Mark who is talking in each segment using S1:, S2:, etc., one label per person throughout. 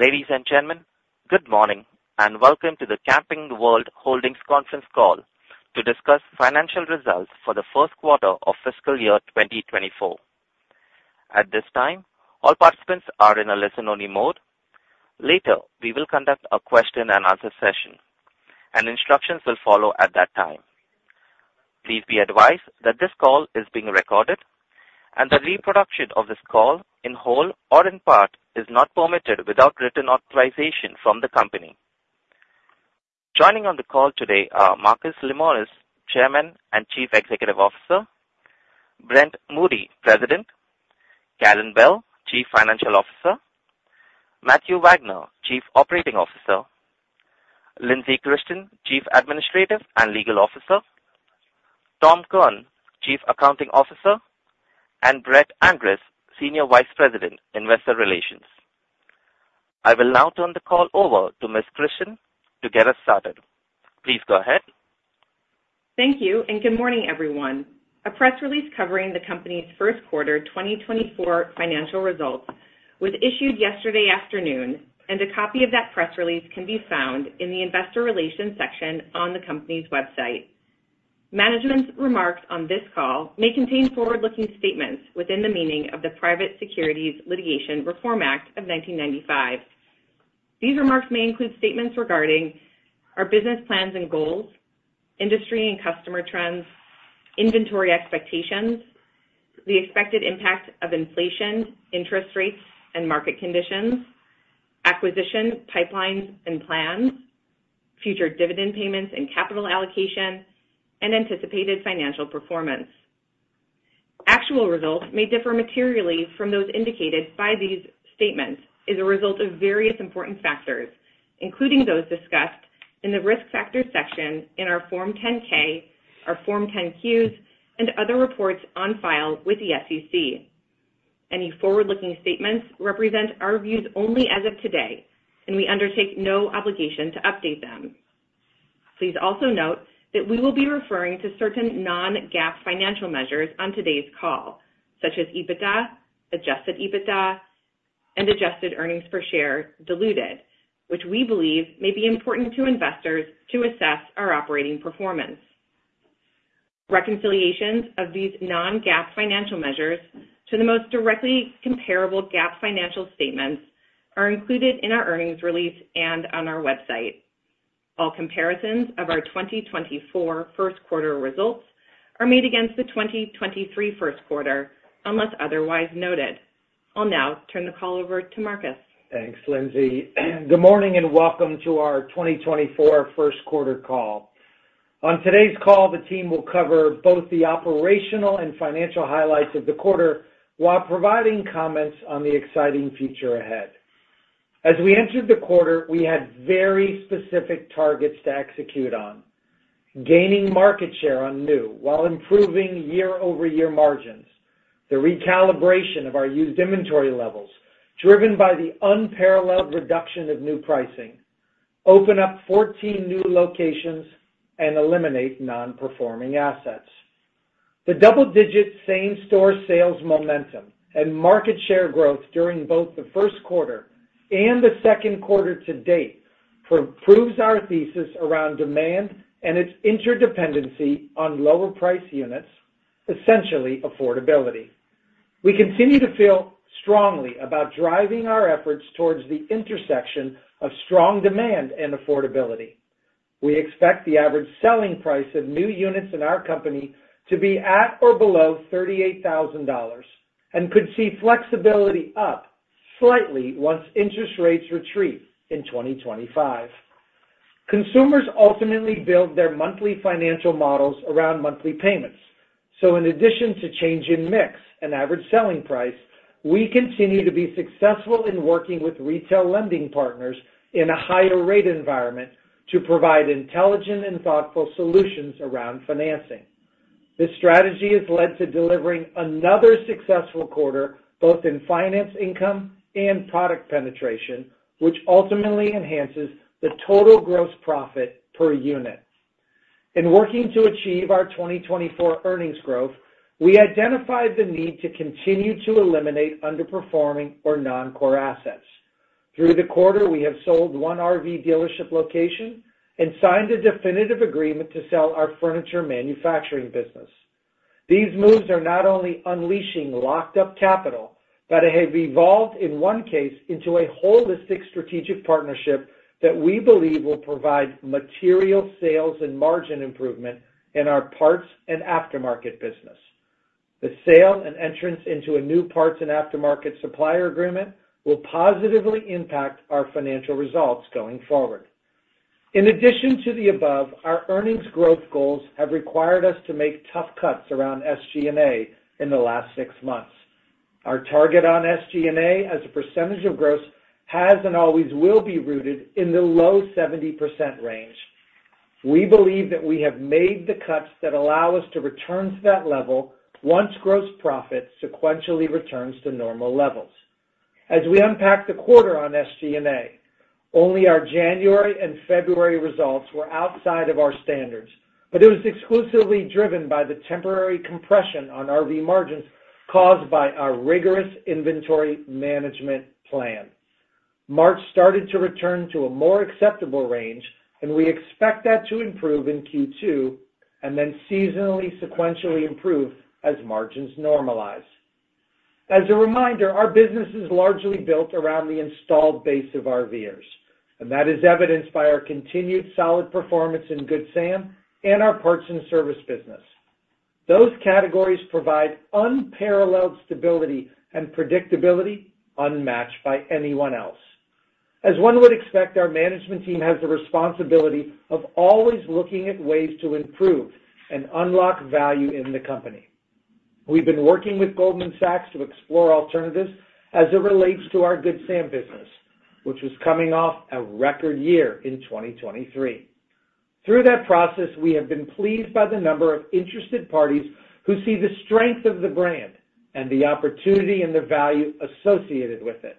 S1: Ladies and gentlemen, good morning, and welcome to the Camping World Holdings Conference Call to Discuss Financial Results for the First Quarter of Fiscal Year 2024. At this time, all participants are in a listen-only mode. Later, we will conduct a question-and-answer session, and instructions will follow at that time. Please be advised that this call is being recorded, and the reproduction of this call, in whole or in part, is not permitted without written authorization from the company. Joining on the call today are Marcus Lemonis, Chairman and Chief Executive Officer; Brent Moody, President; Karin Bell, Chief Financial Officer; Matthew Wagner, Chief Operating Officer; Lindsey Christen, Chief Administrative and Legal Officer; Tom Kirn, Chief Accounting Officer; and Brett Andress, Senior Vice President, Investor Relations. I will now turn the call over to Ms. Christen to get us started. Please go ahead.
S2: Thank you, and good morning, everyone. A press release covering the company's First Quarter 2024 Financial Results was issued yesterday afternoon, and a copy of that press release can be found in the investor relations section on the company's website. Management's remarks on this call may contain forward-looking statements within the meaning of the Private Securities Litigation Reform Act of 1995. These remarks may include statements regarding our business plans and goals, industry and customer trends, inventory expectations, the expected impact of inflation, interest rates, and market conditions, acquisition pipelines and plans, future dividend payments and capital allocation, and anticipated financial performance. Actual results may differ materially from those indicated by these statements as a result of various important factors, including those discussed in the Risk Factors section in our Form 10-K, our Form 10-Qs, and other reports on file with the SEC. Any forward-looking statements represent our views only as of today, and we undertake no obligation to update them. Please also note that we will be referring to certain non-GAAP financial measures on today's call, such as EBITDA, Adjusted EBITDA, and adjusted earnings per share diluted, which we believe may be important to investors to assess our operating performance. Reconciliations of these non-GAAP financial measures to the most directly comparable GAAP financial statements are included in our earnings release and on our website. All comparisons of our 2024 first quarter results are made against the 2023 first quarter, unless otherwise noted. I'll now turn the call over to Marcus.
S3: Thanks, Lindsey. Good morning, and welcome to our 2024 first quarter call. On today's call, the team will cover both the operational and financial highlights of the quarter while providing comments on the exciting future ahead. As we entered the quarter, we had very specific targets to execute on, gaining market share on new while improving year-over-year margins, the recalibration of our used inventory levels, driven by the unparalleled reduction of new pricing, open up 14 new locations, and eliminate non-performing assets. The double-digit same-store sales momentum and market share growth during both the first quarter and the second quarter to date proves our thesis around demand and its interdependency on lower price units, essentially affordability. We continue to feel strongly about driving our efforts towards the intersection of strong demand and affordability. We expect the average selling price of new units in our company to be at or below $38,000 and could see flexibility up slightly once interest rates retreat in 2025. Consumers ultimately build their monthly financial models around monthly payments. So in addition to change in mix and average selling price, we continue to be successful in working with retail lending partners in a higher rate environment to provide intelligent and thoughtful solutions around financing. This strategy has led to delivering another successful quarter, both in finance income and product penetration, which ultimately enhances the total gross profit per unit. In working to achieve our 2024 earnings growth, we identified the need to continue to eliminate underperforming or non-core assets. Through the quarter, we have sold one RV dealership location and signed a definitive agreement to sell our furniture manufacturing business. These moves are not only unleashing locked-up capital, but it has evolved in one case into a holistic strategic partnership that we believe will provide material sales and margin improvement in our parts and aftermarket business. The sale and entrance into a new parts and aftermarket supplier agreement will positively impact our financial results going forward. In addition to the above, our earnings growth goals have required us to make tough cuts around SG&A in the last six months. Our target on SG&A as a percentage of gross has and always will be rooted in the low 70% range. We believe that we have made the cuts that allow us to return to that level once gross profit sequentially returns to normal levels. As we unpack the quarter on SG&A. Only our January and February results were outside of our standards, but it was exclusively driven by the temporary compression on RV margins caused by our rigorous inventory management plan. March started to return to a more acceptable range, and we expect that to improve in Q2, and then seasonally, sequentially improve as margins normalize. As a reminder, our business is largely built around the installed base of RVers, and that is evidenced by our continued solid performance in Good Sam and our parts and service business. Those categories provide unparalleled stability and predictability unmatched by anyone else. As one would expect, our management team has the responsibility of always looking at ways to improve and unlock value in the company. We've been working with Goldman Sachs to explore alternatives as it relates to our Good Sam business, which was coming off a record year in 2023. Through that process, we have been pleased by the number of interested parties who see the strength of the brand and the opportunity and the value associated with it.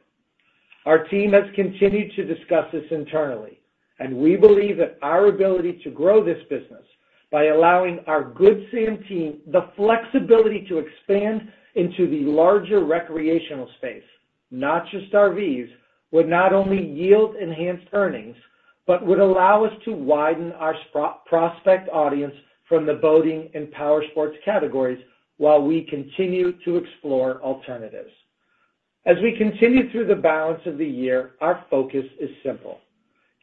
S3: Our team has continued to discuss this internally, and we believe that our ability to grow this business by allowing our Good Sam team the flexibility to expand into the larger recreational space, not just RVs, would not only yield enhanced earnings, but would allow us to widen our prospect audience from the boating and powersports categories, while we continue to explore alternatives. As we continue through the balance of the year, our focus is simple: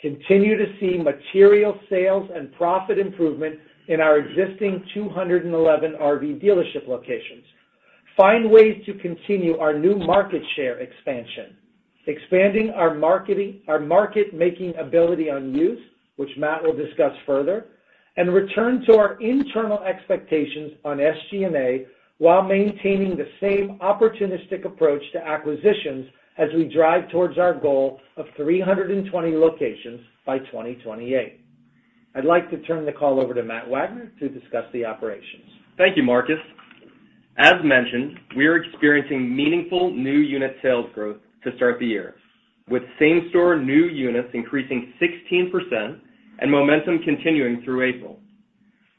S3: continue to see material sales and profit improvement in our existing 211 RV dealership locations, find ways to continue our new market share expansion, expanding our marketing, our market-making ability on used, which Matt will discuss further, and return to our internal expectations on SG&A, while maintaining the same opportunistic approach to acquisitions as we drive towards our goal of 320 locations by 2028. I'd like to turn the call over to Matt Wagner to discuss the operations.
S4: Thank you, Marcus. As mentioned, we are experiencing meaningful new unit sales growth to start the year, with same store new units increasing 16% and momentum continuing through April.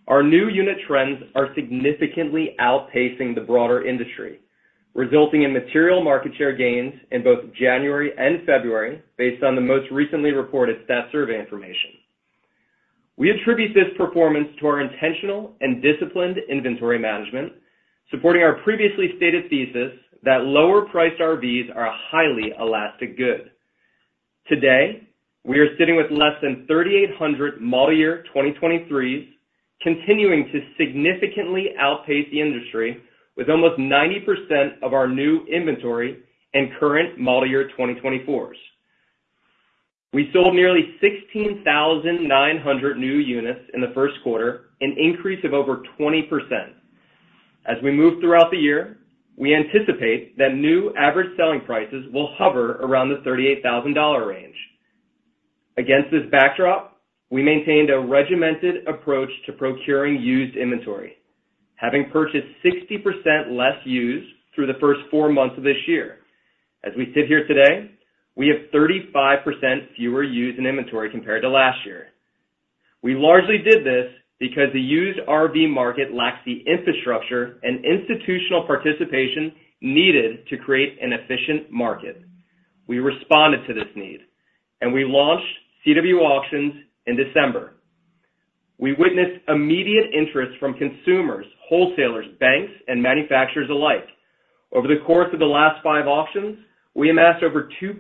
S4: Our new unit trends are significantly outpacing the broader industry, resulting in material market share gains in both January and February, based on the most recently reported Stat Survey information. We attribute this performance to our intentional and disciplined inventory management, supporting our previously stated thesis that lower-priced RVs are a highly elastic good. Today, we are sitting with less than 3,800 model year 2023s, continuing to significantly outpace the industry, with almost 90% of our new inventory in current model year 2024s. We sold nearly 16,900 new units in the first quarter, an increase of over 20%. As we move throughout the year, we anticipate that new average selling prices will hover around the $38,000 range. Against this backdrop, we maintained a regimented approach to procuring used inventory, having purchased 60% less used through the first 4 months of this year. As we sit here today, we have 35% fewer used in inventory compared to last year. We largely did this because the used RV market lacks the infrastructure and institutional participation needed to create an efficient market. We responded to this need, and we launched CW Auctions in December. We witnessed immediate interest from consumers, wholesalers, banks, and manufacturers alike. Over the course of the last 5 auctions, we amassed over 2.2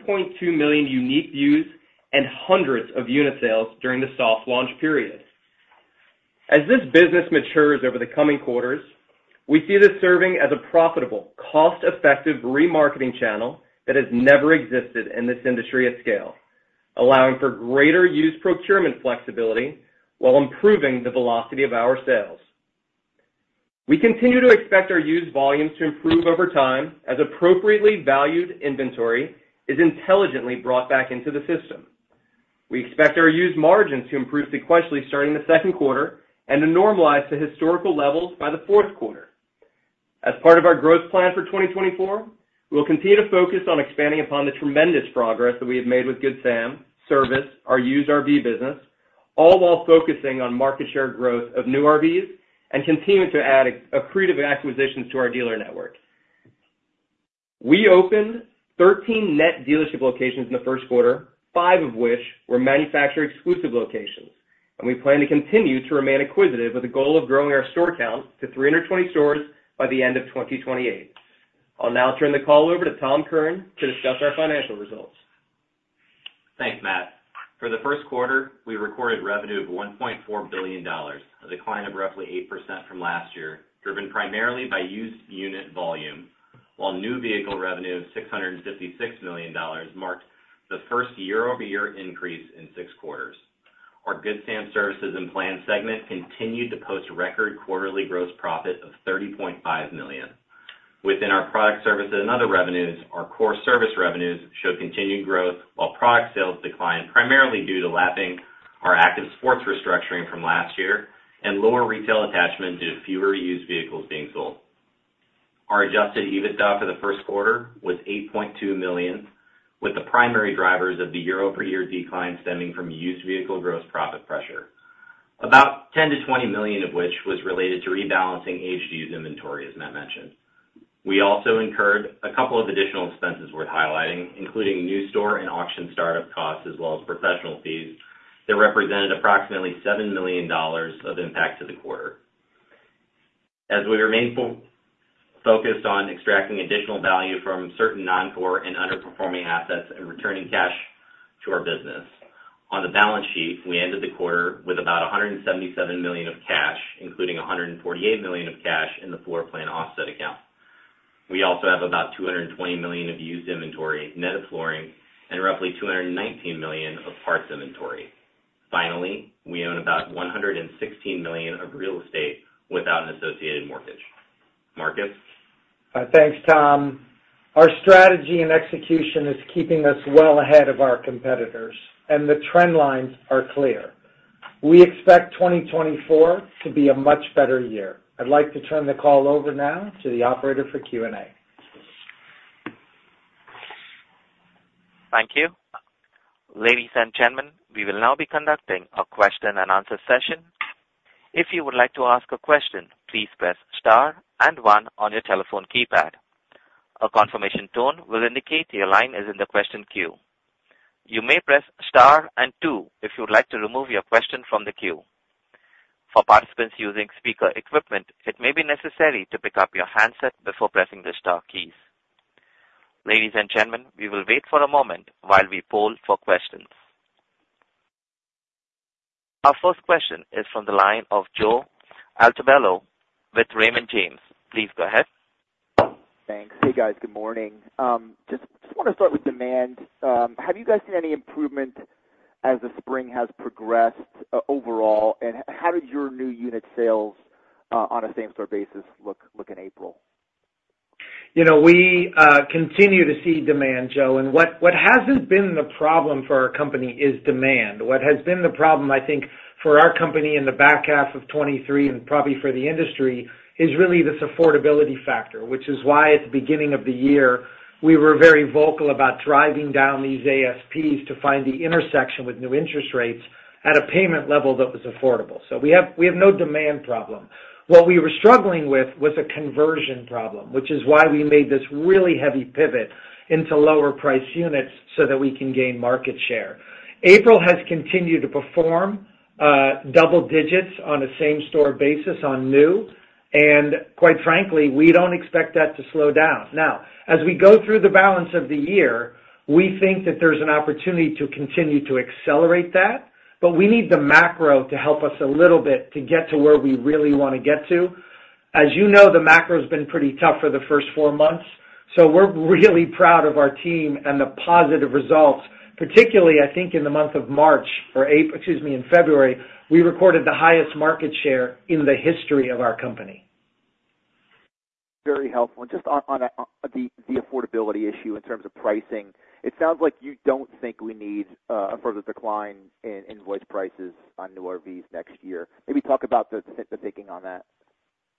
S4: million unique views and hundreds of unit sales during the soft launch period. As this business matures over the coming quarters, we see this serving as a profitable, cost-effective remarketing channel that has never existed in this industry at scale, allowing for greater used procurement flexibility while improving the velocity of our sales. We continue to expect our used volumes to improve over time, as appropriately valued inventory is intelligently brought back into the system. We expect our used margins to improve sequentially starting the second quarter, and to normalize to historical levels by the fourth quarter. As part of our growth plan for 2024, we'll continue to focus on expanding upon the tremendous progress that we have made with Good Sam, service, our used RV business, all while focusing on market share growth of new RVs and continuing to add accretive acquisitions to our dealer network. We opened 13 net dealership locations in the first quarter, five of which were manufacturer-exclusive locations, and we plan to continue to remain acquisitive with a goal of growing our store count to 320 stores by the end of 2028. I'll now turn the call over to Tom Kirn to discuss our financial results.
S5: Thanks, Matt. For the first quarter, we recorded revenue of $1.4 billion, a decline of roughly 8% from last year, driven primarily by used unit volume, while new vehicle revenue of $656 million marked the first year-over-year increase in six quarters. Our Good Sam Services and Plans segment continued to post record quarterly gross profit of $30.5 million. Within our product services and other revenues, our core service revenues showed continued growth, while product sales declined, primarily due to lapping our Active Sports restructuring from last year and lower retail attachment due to fewer used vehicles being sold. Our Adjusted EBITDA for the first quarter was $8.2 million, with the primary drivers of the year-over-year decline stemming from used vehicle gross profit pressure. About $10-$20 million of which was related to rebalancing aged used inventory, as Matt mentioned. We also incurred a couple of additional expenses worth highlighting, including new store and auction startup costs, as well as professional fees, that represented approximately $7 million of impact to the quarter. As we remain full-focused on extracting additional value from certain non-core and underperforming assets and returning cash to our business. On the balance sheet, we ended the quarter with about $177 million of cash, including $148 million of cash in the floor plan offset account. We also have about $220 million of used inventory, net of flooring, and roughly $219 million of parts inventory. Finally, we own about $116 million of real estate without an associated mortgage. Marcus?
S3: Thanks, Tom. Our strategy and execution is keeping us well ahead of our competitors, and the trend lines are clear. We expect 2024 to be a much better year. I'd like to turn the call over now to the operator for Q&A.
S1: Thank you. Ladies and gentlemen, we will now be conducting a question-and-answer session. If you would like to ask a question, please press star and one on your telephone keypad. A confirmation tone will indicate your line is in the question queue. You may press star and two if you would like to remove your question from the queue. For participants using speaker equipment, it may be necessary to pick up your handset before pressing the star keys. Ladies and gentlemen, we will wait for a moment while we poll for questions. Our first question is from the line of Joseph Altobello with Raymond James. Please go ahead.
S6: Thanks. Hey, guys, good morning. Just want to start with demand. Have you guys seen any improvement as the spring has progressed overall, and how did your new unit sales on a same store basis look in April?
S3: You know, we continue to see demand, Joe, and what, what hasn't been the problem for our company is demand. What has been the problem, I think, for our company in the back half of 2023 and probably for the industry, is really this affordability factor, which is why at the beginning of the year, we were very vocal about driving down these ASPs to find the intersection with new interest rates at a payment level that was affordable. So we have, we have no demand problem. What we were struggling with was a conversion problem, which is why we made this really heavy pivot into lower priced units so that we can gain market share. April has continued to perform double digits on a same-store basis on new, and quite frankly, we don't expect that to slow down. Now, as we go through the balance of the year, we think that there's an opportunity to continue to accelerate that, but we need the macro to help us a little bit to get to where we really want to get to. As you know, the macro has been pretty tough for the first four months, so we're really proud of our team and the positive results, particularly, I think, in the month of March, excuse me, in February, we recorded the highest market share in the history of our company.
S6: Very helpful. And just on the affordability issue in terms of pricing, it sounds like you don't think we need a further decline in invoice prices on new RVs next year. Maybe talk about the thinking on that.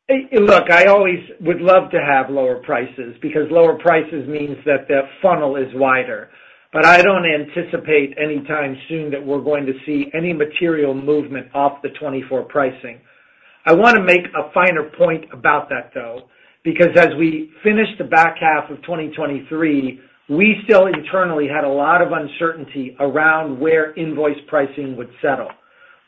S3: Hey, look, I always would love to have lower prices because lower prices means that the funnel is wider. But I don't anticipate anytime soon that we're going to see any material movement off the 2024 pricing. I want to make a finer point about that, though, because as we finished the back half of 2023, we still internally had a lot of uncertainty around where invoice pricing would settle.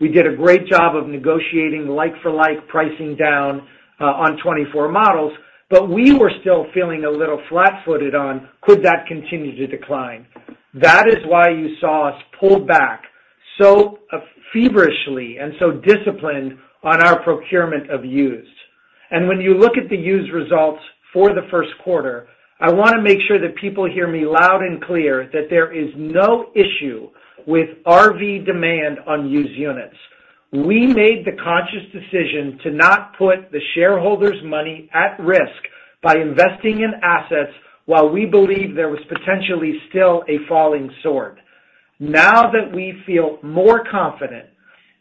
S3: We did a great job of negotiating like-for-like pricing down on 2024 models, but we were still feeling a little flat-footed on could that continue to decline? That is why you saw us pull back so feverishly and so disciplined on our procurement of used. When you look at the used results for the first quarter, I want to make sure that people hear me loud and clear that there is no issue with RV demand on used units. We made the conscious decision to not put the shareholders' money at risk by investing in assets while we believe there was potentially still a falling sword. Now that we feel more confident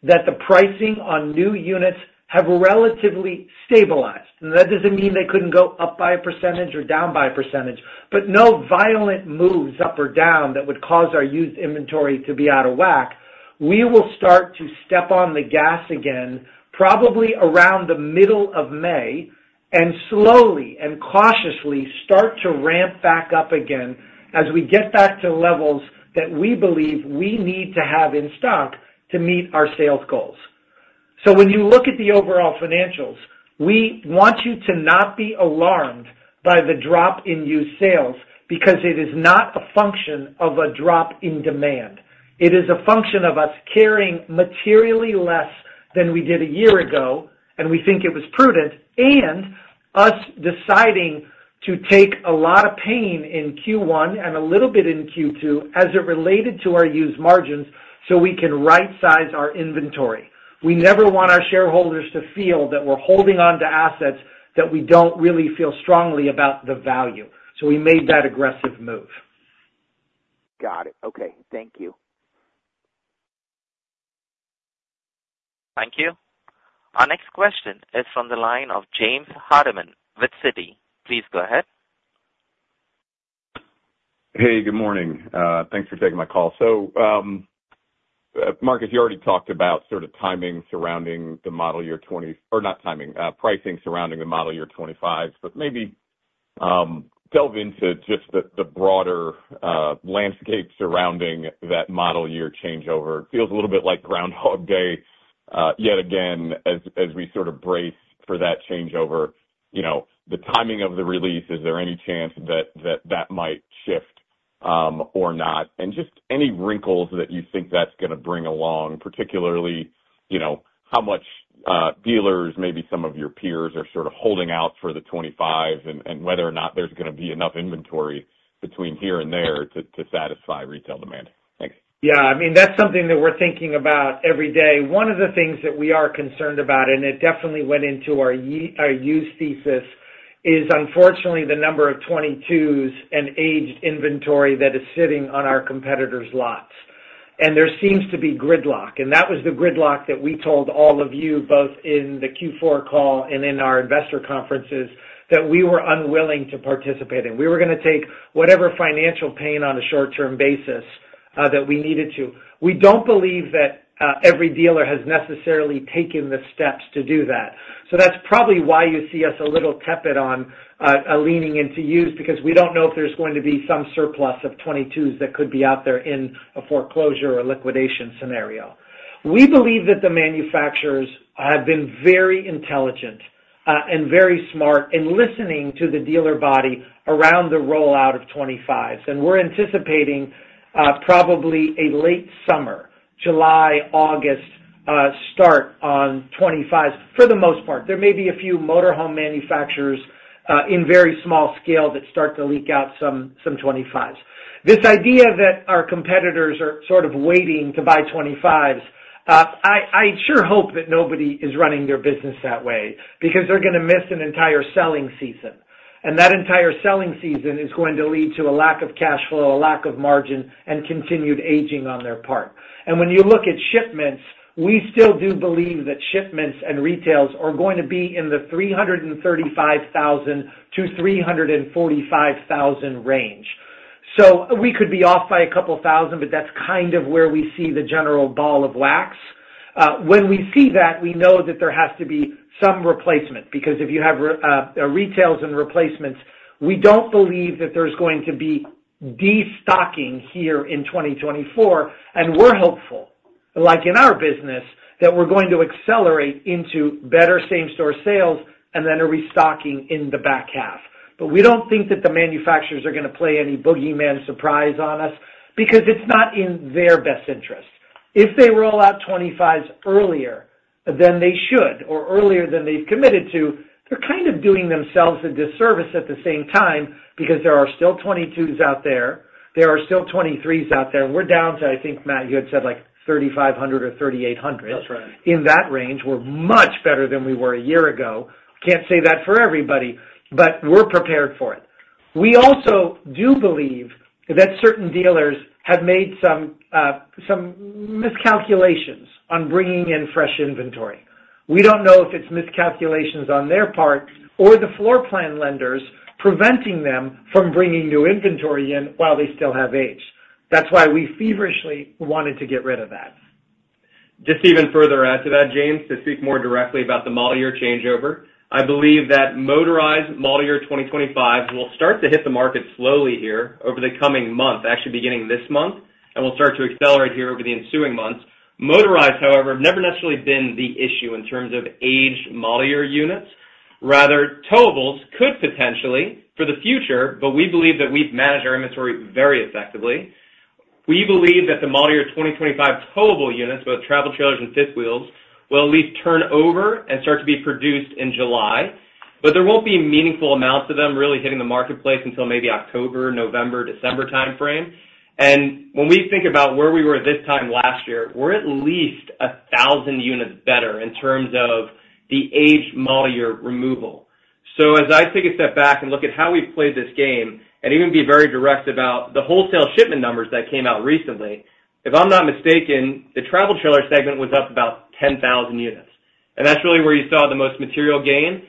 S3: that the pricing on new units have relatively stabilized, and that doesn't mean they couldn't go up by a percentage or down by a percentage, but no violent moves up or down that would cause our used inventory to be out of whack, we will start to step on the gas again, probably around the middle of May, and slowly and cautiously start to ramp back up again as we get back to levels that we believe we need to have in stock to meet our sales goals. So when you look at the overall financials, we want you to not be alarmed by the drop in used sales because it is not a function of a drop in demand. It is a function of us carrying materially less than we did a year ago, and we think it was prudent, and us deciding to take a lot of pain in Q1 and a little bit in Q2 as it related to our used margins, so we can rightsize our inventory. We never want our shareholders to feel that we're holding on to assets that we don't really feel strongly about the value. So we made that aggressive move.
S6: Got it. Okay. Thank you.
S1: Thank you. Our next question is from the line of James Hardiman with Citi. Please go ahead.
S7: Hey, good morning. Thanks for taking my call. So, Marcus, you already talked about sort of timing surrounding the model year or not timing, pricing surrounding the model year 25s. But maybe delve into just the broader landscape surrounding that model year changeover. It feels a little bit like Groundhog Day yet again as we sort of brace for that changeover, you know, the timing of the release, is there any chance that might shift or not? And just any wrinkles that you think that's gonna bring along, particularly, you know, how much dealers, maybe some of your peers are sort of holding out for the 25 and whether or not there's gonna be enough inventory between here and there to satisfy retail demand? Thanks.
S3: Yeah, I mean, that's something that we're thinking about every day. One of the things that we are concerned about, and it definitely went into our our used thesis, is unfortunately, the number of 2022s and aged inventory that is sitting on our competitors' lots. There seems to be gridlock, and that was the gridlock that we told all of you, both in the Q4 call and in our investor conferences, that we were unwilling to participate in. We were gonna take whatever financial pain on a short-term basis that we needed to. We don't believe that every dealer has necessarily taken the steps to do that. So that's probably why you see us a little tepid on, leaning into used, because we don't know if there's going to be some surplus of 2022s that could be out there in a foreclosure or liquidation scenario. We believe that the manufacturers have been very intelligent, and very smart in listening to the dealer body around the rollout of 2025s, and we're anticipating, probably a late summer, July, August, start on 2025s, for the most part. There may be a few motor home manufacturers, in very small scale that start to leak out some, some 2025s. This idea that our competitors are sort of waiting to buy 25s, I sure hope that nobody is running their business that way, because they're gonna miss an entire selling season, and that entire selling season is going to lead to a lack of cash flow, a lack of margin, and continued aging on their part. When you look at shipments, we still do believe that shipments and retails are going to be in the 335,000-345,000 range. So we could be off by a couple thousand, but that's kind of where we see the general ball of wax. When we see that, we know that there has to be some replacement, because if you have retails and replacements, we don't believe that there's going to be destocking here in 2024, and we're hopeful, like in our business, that we're going to accelerate into better same store sales and then a restocking in the back half. But we don't think that the manufacturers are gonna play any boogeyman surprise on us, because it's not in their best interest. If they roll out 2025s earlier than they should or earlier than they've committed to, they're kind of doing themselves a disservice at the same time, because there are still 2022s out there. There are still 2023s out there. We're down to, I think, Matt, you had said like 3,500 or 3,800.
S4: That's right.
S3: In that range, we're much better than we were a year ago. Can't say that for everybody, but we're prepared for it. We also do believe that certain dealers have made some, some miscalculations on bringing in fresh inventory. We don't know if it's miscalculations on their part or the floor plan lenders preventing them from bringing new inventory in while they still have age. That's why we feverishly wanted to get rid of that.
S4: Just to even further add to that, James, to speak more directly about the model year changeover, I believe that motorized model year 2025 will start to hit the market slowly here over the coming month, actually beginning this month, and will start to accelerate here over the ensuing months. Motorized, however, have never necessarily been the issue in terms of aged model year units. Rather, towables could potentially for the future, but we believe that we've managed our inventory very effectively. We believe that the model year 2025 towable units, both travel trailers and fifth wheels, will at least turn over and start to be produced in July, but there won't be meaningful amounts of them really hitting the marketplace until maybe October, November, December timeframe. When we think about where we were this time last year, we're at least 1,000 units better in terms of the aged model year removal. As I take a step back and look at how we've played this game and even be very direct about the wholesale shipment numbers that came out recently, if I'm not mistaken, the travel trailer segment was up about 10,000 units, and that's really where you saw the most material gain.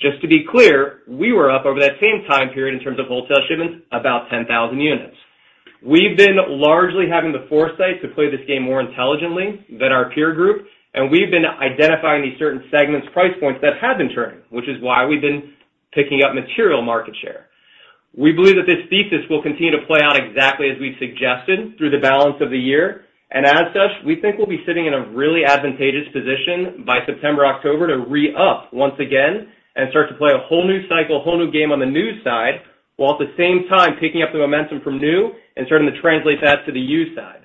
S4: Just to be clear, we were up over that same time period in terms of wholesale shipments, about 10,000 units. We've been largely having the foresight to play this game more intelligently than our peer group, and we've been identifying these certain segments' price points that have been turning, which is why we've been picking up material market share. We believe that this thesis will continue to play out exactly as we've suggested through the balance of the year, and as such, we think we'll be sitting in a really advantageous position by September, October, to re-up once again and start to play a whole new cycle, whole new game on the new side, while at the same time picking up the momentum from new and starting to translate that to the used side.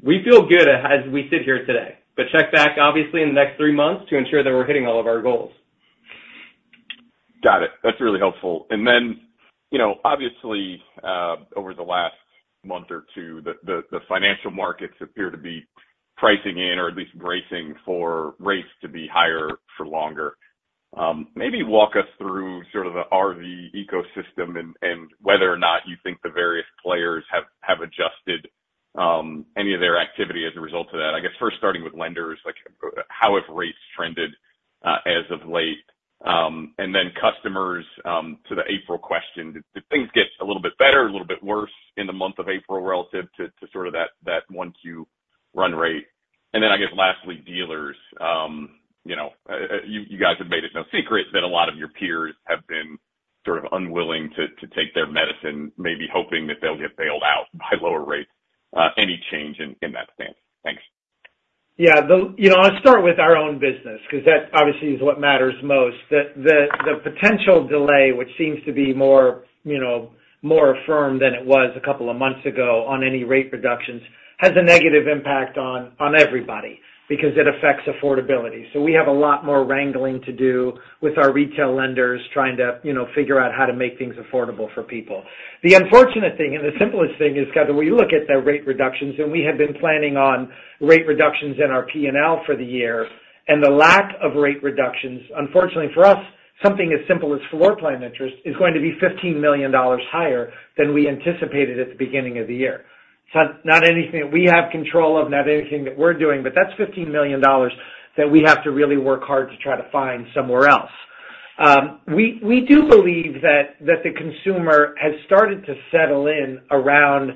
S4: We feel good as we sit here today, but check back obviously in the next three months to ensure that we're hitting all of our goals.
S7: Got it. That's really helpful. And then, you know, obviously, over the last month or 2, the financial markets appear to be pricing in or at least bracing for rates to be higher for longer. Maybe walk us through sort of the RV ecosystem and whether or not you think the various players have adjusted any of their activity as a result of that. I guess first starting with lenders, like, how have rates trended as of late? And then customers, to the April question, did things get a little bit better, a little bit worse in the month of April relative to sort of that 1Q run rate? And then I guess lastly, dealers. You know, you guys have made it no secret that a lot of your peers have been sort of unwilling to take their medicine, maybe hoping that they'll get bailed out by lower rates. Any change in that stance? Thanks.
S3: Yeah, you know, I'll start with our own business, 'cause that obviously is what matters most. The potential delay, which seems to be more, you know, more firm than it was a couple of months ago on any rate reductions, has a negative impact on everybody because it affects affordability. So we have a lot more wrangling to do with our retail lenders trying to, you know, figure out how to make things affordable for people. The unfortunate thing, and the simplest thing is, given, when you look at the rate reductions, and we had been planning on rate reductions in our P&L for the year, and the lack of rate reductions, unfortunately, for us, something as simple as floor plan interest is going to be $15 million higher than we anticipated at the beginning of the year. So not anything that we have control of, not anything that we're doing, but that's $15 million that we have to really work hard to try to find somewhere else. We do believe that the consumer has started to settle in around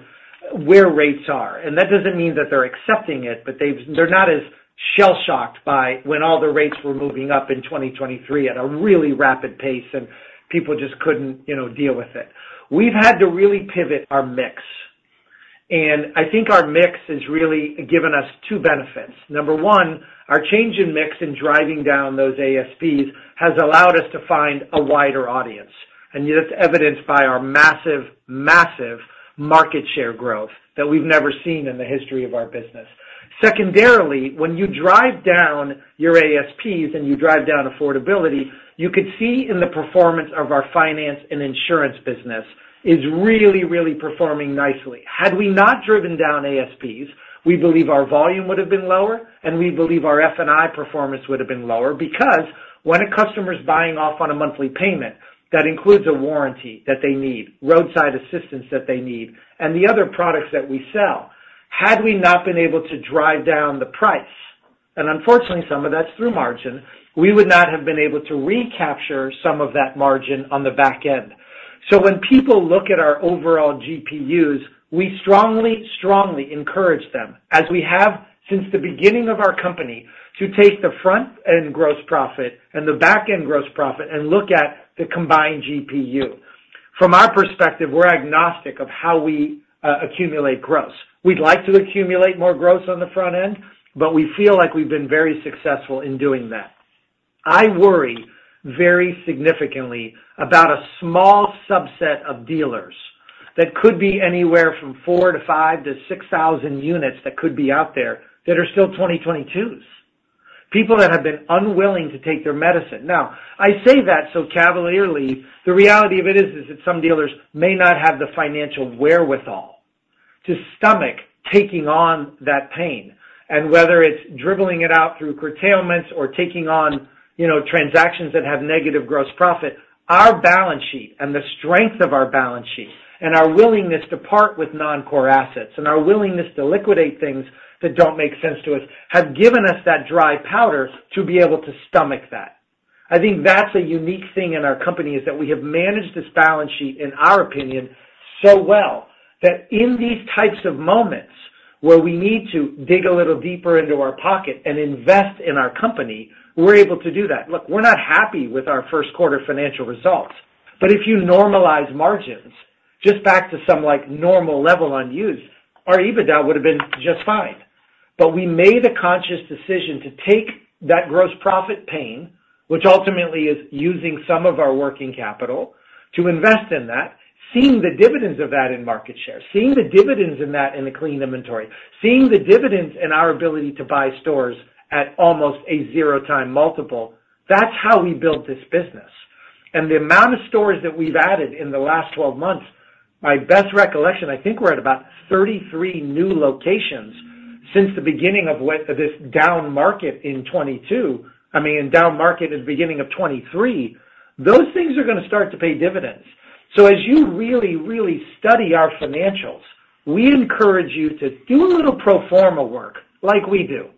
S3: where rates are, and that doesn't mean that they're accepting it, but they've—they're not as shell-shocked by when all the rates were moving up in 2023 at a really rapid pace, and people just couldn't, you know, deal with it. We've had to really pivot our mix, and I think our mix has really given us two benefits. Number one, our change in mix in driving down those ASPs has allowed us to find a wider audience, and that's evidenced by our massive, massive market share growth that we've never seen in the history of our business. Secondarily, when you drive down your ASPs and you drive down affordability, you could see in the performance of our finance and insurance business is really, really performing nicely. Had we not driven down ASPs, we believe our volume would have been lower, and we believe our F&I performance would have been lower because when a customer's buying off on a monthly payment, that includes a warranty that they need, roadside assistance that they need, and the other products that we sell. Had we not been able to drive down the price, and unfortunately, some of that's through margin, we would not have been able to recapture some of that margin on the back end. So when people look at our overall GPUs, we strongly, strongly encourage them, as we have since the beginning of our company, to take the front-end gross profit and the back-end gross profit and look at the combined GPU. From our perspective, we're agnostic of how we accumulate gross. We'd like to accumulate more gross on the front end, but we feel like we've been very successful in doing that. I worry very significantly about a small subset of dealers that could be anywhere from 4,000 to 6,000 units that could be out there that are still 2022s. People that have been unwilling to take their medicine. Now, I say that so cavalierly. The reality of it is that some dealers may not have the financial wherewithal to stomach taking on that pain, and whether it's dribbling it out through curtailments or taking on, you know, transactions that have negative gross profit, our balance sheet and the strength of our balance sheet and our willingness to part with non-core assets and our willingness to liquidate things that don't make sense to us, have given us that dry powder to be able to stomach that. I think that's a unique thing in our company that we have managed this balance sheet, in our opinion, so well, that in these types of moments where we need to dig a little deeper into our pocket and invest in our company, we're able to do that. Look, we're not happy with our first quarter financial results, but if you normalize margins just back to some, like, normal level on used, our EBITDA would have been just fine. But we made a conscious decision to take that gross profit pain, which ultimately is using some of our working capital to invest in that, seeing the dividends of that in market share, seeing the dividends in that in the clean inventory, seeing the dividends in our ability to buy stores at almost a zero time multiple. That's how we built this business. And the amount of stores that we've added in the last 12 months, my best recollection, I think we're at about 33 new locations since the beginning of this down market in 2022. I mean, in down market at the beginning of 2023, those things are gonna start to pay dividends. So as you really, really study our financials, we encourage you to do a little pro forma work like we do.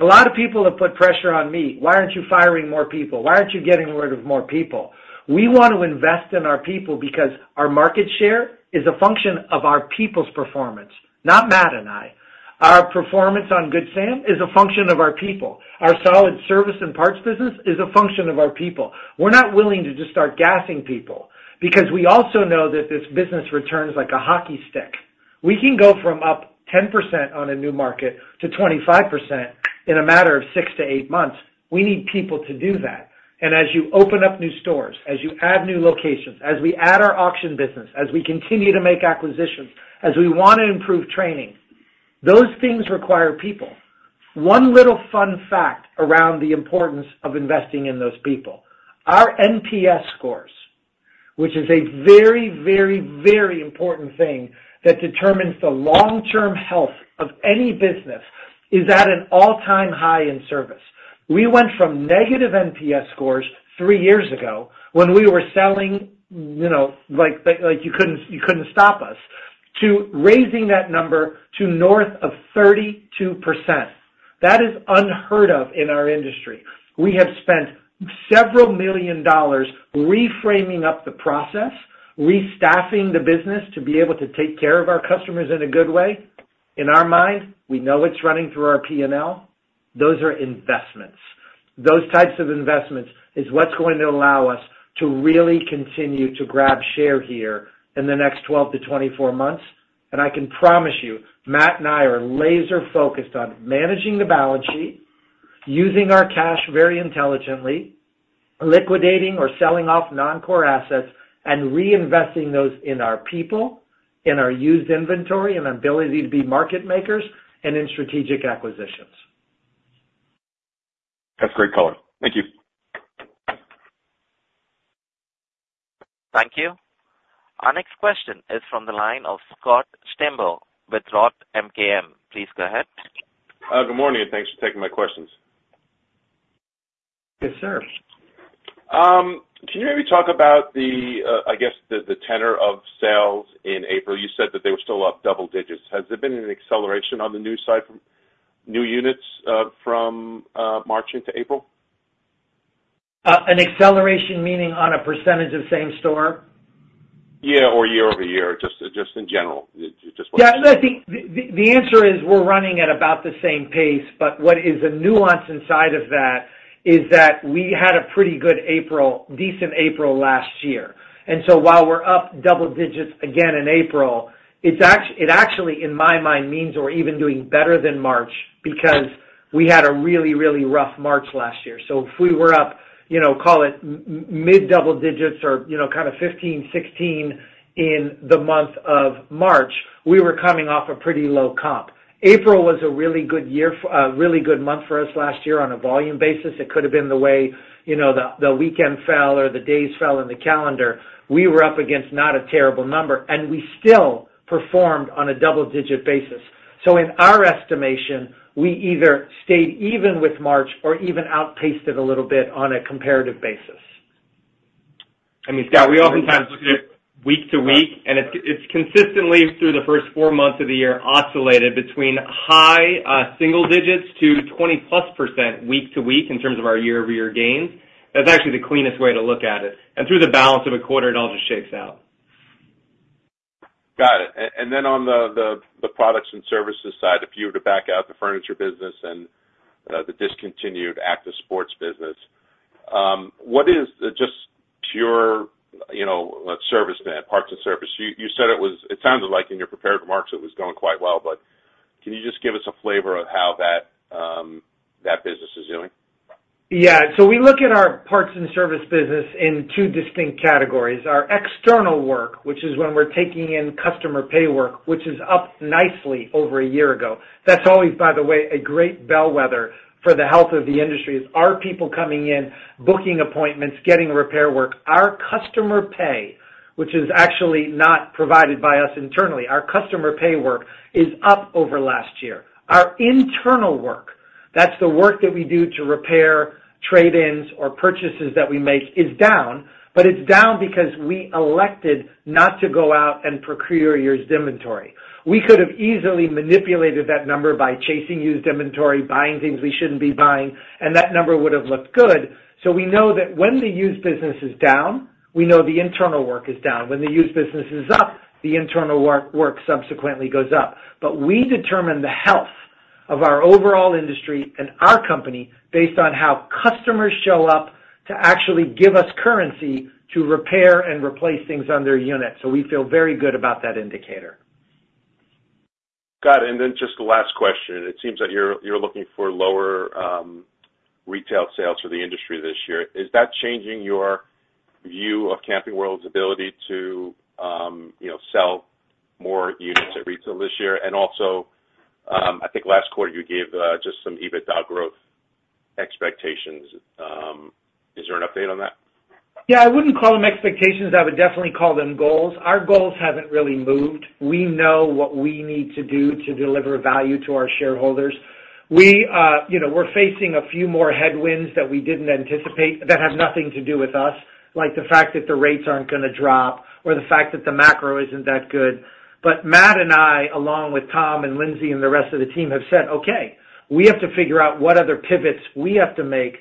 S3: A lot of people have put pressure on me. Why aren't you firing more people? Why aren't you getting rid of more people? We want to invest in our people because our market share is a function of our people's performance, not Matt and I. Our performance on Good Sam is a function of our people. Our solid service and parts business is a function of our people. We're not willing to just start gassing people because we also know that this business returns like a hockey stick. We can go from up 10% on a new market to 25% in a matter of 6 to 8 months. We need people to do that. As you open up new stores, as you add new locations, as we add our auction business, as we continue to make acquisitions, as we want to improve training, those things require people. One little fun fact around the importance of investing in those people, our NPS scores, which is a very, very, very important thing that determines the long-term health of any business, is at an all-time high in service. We went from negative NPS scores three years ago, when we were selling, you know, like, like, you couldn't, you couldn't stop us, to raising that number to north of 32%. That is unheard of in our industry. We have spent several million dollar reframing up the process, restaffing the business to be able to take care of our customers in a good way. In our mind, we know it's running through our P&L. Those are investments. Those types of investments is what's going to allow us to really continue to grab share here in the next 12-24 months. I can promise you, Matt and I are laser-focused on managing the balance sheet, using our cash very intelligently, liquidating or selling off non-core assets, and reinvesting those in our people, in our used inventory and ability to be market makers, and in strategic acquisitions.
S7: That's great color. Thank you.
S1: Thank you. Our next question is from the line of Scott Stember with ROTH MKM. Please go ahead.
S8: Good morning, and thanks for taking my questions.
S3: Yes, sir.
S8: Can you maybe talk about the, I guess, the tenor of sales in April? You said that they were still up double digits. Has there been an acceleration on the new side from new units from March into April?
S3: An acceleration, meaning on a percentage of same store?
S8: Yeah, or year-over-year, just in general. Just
S3: Yeah, I think the answer is we're running at about the same pace, but what is a nuance inside of that is that we had a pretty good April, decent April last year. And so while we're up double digits again in April, it actually, in my mind, means we're even doing better than March because we had a really, really rough March last year. So if we were up, you know, call it mid double digits or, you know, kind of 15, 16 in the month of March, we were coming off a pretty low comp. April was a really good month for us last year on a volume basis. It could have been the way, you know, the weekend fell or the days fell in the calendar. We were up against not a terrible number, and we still performed on a double-digit basis. In our estimation, we either stayed even with March or even outpaced it a little bit on a comparative basis.
S4: I mean, Scott, we oftentimes look at it week to week, and it's consistently through the first four months of the year, oscillated between high single digits to 20%+ week to week in terms of our year-over-year gains. That's actually the cleanest way to look at it. Through the balance of a quarter, it all just shakes out.
S8: Got it. And then on the products and services side, if you were to back out the furniture business and the discontinued Active Sports business, what is just pure, you know, service net, parts and service? You said it was—it sounded like in your prepared remarks, it was going quite well, but can you just give us a flavor of how that business is doing?
S3: Yeah. So we look at our parts and service business in two distinct categories. Our external work, which is when we're taking in customer pay work, which is up nicely over a year ago. That's always, by the way, a great bellwether for the health of the industry, are people coming in, booking appointments, getting repair work? Our customer pay, which is actually not provided by us internally, our customer pay work is up over last year. Our internal work, that's the work that we do to repair trade-ins or purchases that we make, is down, but it's down because we elected not to go out and procure used inventory. We could have easily manipulated that number by chasing used inventory, buying things we shouldn't be buying, and that number would have looked good. So we know that when the used business is down, we know the internal work is down. When the used business is up, the internal work, work subsequently goes up. But we determine the health of our overall industry and our company based on how customers show up to actually give us currency to repair and replace things on their unit. So we feel very good about that indicator.
S8: Got it. And then just the last question: It seems like you're looking for lower retail sales for the industry this year. Is that changing your view of Camping World's ability to, you know, sell more units at retail this year? And also, I think last quarter, you gave just some EBITDA growth expectations. Is there an update on that?
S3: Yeah, I wouldn't call them expectations. I would definitely call them goals. Our goals haven't really moved. We know what we need to do to deliver value to our shareholders. We, you know, we're facing a few more headwinds that we didn't anticipate that have nothing to do with us, like the fact that the rates aren't gonna drop or the fact that the macro isn't that good. But Matt and I, along with Tom and Lindsey and the rest of the team, have said, "Okay, we have to figure out what other pivots we have to make.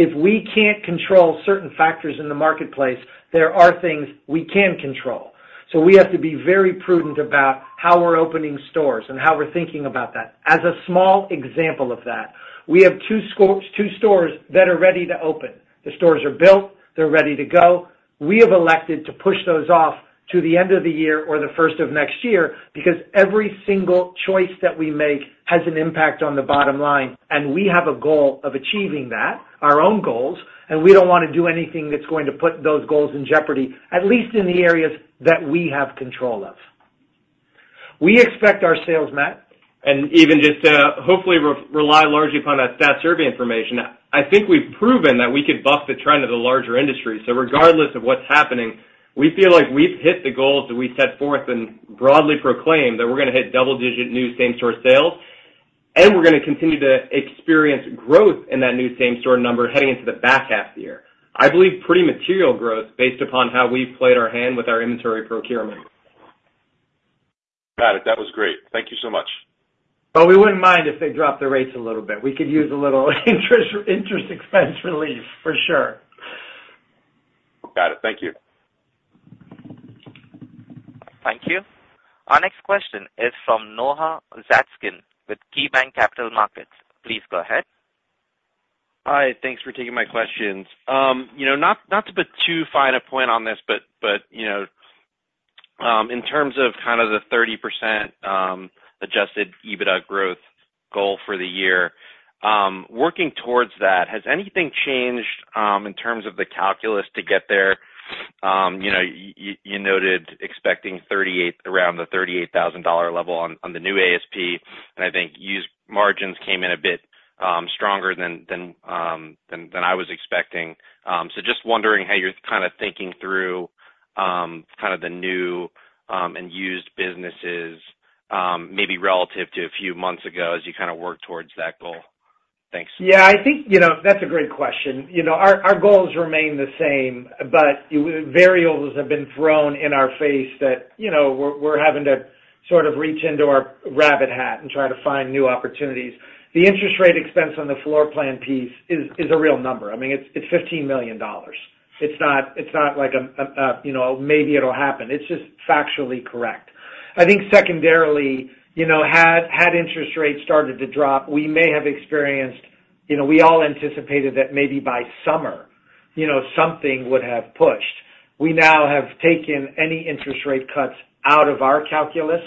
S3: If we can't control certain factors in the marketplace, there are things we can control." So we have to be very prudent about how we're opening stores and how we're thinking about that. As a small example of that, we have two stores that are ready to open. The stores are built. They're ready to go. We have elected to push those off to the end of the year or the first of next year because every single choice that we make has an impact on the bottom line, and we have a goal of achieving that, our own goals, and we don't wanna do anything that's going to put those goals in jeopardy, at least in the areas that we have control of. We expect our sales, Matt?
S4: And even just to hopefully rely largely upon that Stat Survey information, I think we've proven that we could buck the trend of the larger industry. So regardless of what's happening, we feel like we've hit the goals that we set forth and broadly proclaimed that we're gonna hit double-digit new same-store sales, and we're gonna continue to experience growth in that new same-store number heading into the back half of the year. I believe pretty material growth based upon how we've played our hand with our inventory procurement.
S8: Got it. That was great. Thank you so much.
S3: But we wouldn't mind if they dropped the rates a little bit. We could use a little interest, interest expense relief, for sure.
S8: Got it. Thank you.
S1: Thank you. Our next question is from Noah Zatzkin with KeyBanc Capital Markets. Please go ahead.
S9: Hi, thanks for taking my questions. You know, not, not to put too fine a point on this, but, but, you know, in terms of kind of the 30% adjusted EBITDA growth goal for the year, working towards that, has anything changed in terms of the calculus to get there? You know, you noted expecting around the $38,000 level on the new ASP, and I think used margins came in a bit stronger than I was expecting. So just wondering how you're kind of thinking through kind of the new and used businesses, maybe relative to a few months ago as you kind of work towards that goal. Thanks.
S3: Yeah, I think, you know, that's a great question. You know, our goals remain the same, but variables have been thrown in our face that, you know, we're having to sort of reach into our rabbit hat and try to find new opportunities. The interest rate expense on the floor plan piece is a real number. I mean, it's $15 million. It's not- it's not like a, you know, maybe it'll happen. It's just factually correct. I think secondarily, you know, had interest rates started to drop, we may have experienced... You know, we all anticipated that maybe by summer, you know, something would have pushed. We now have taken any interest rate cuts out of our calculus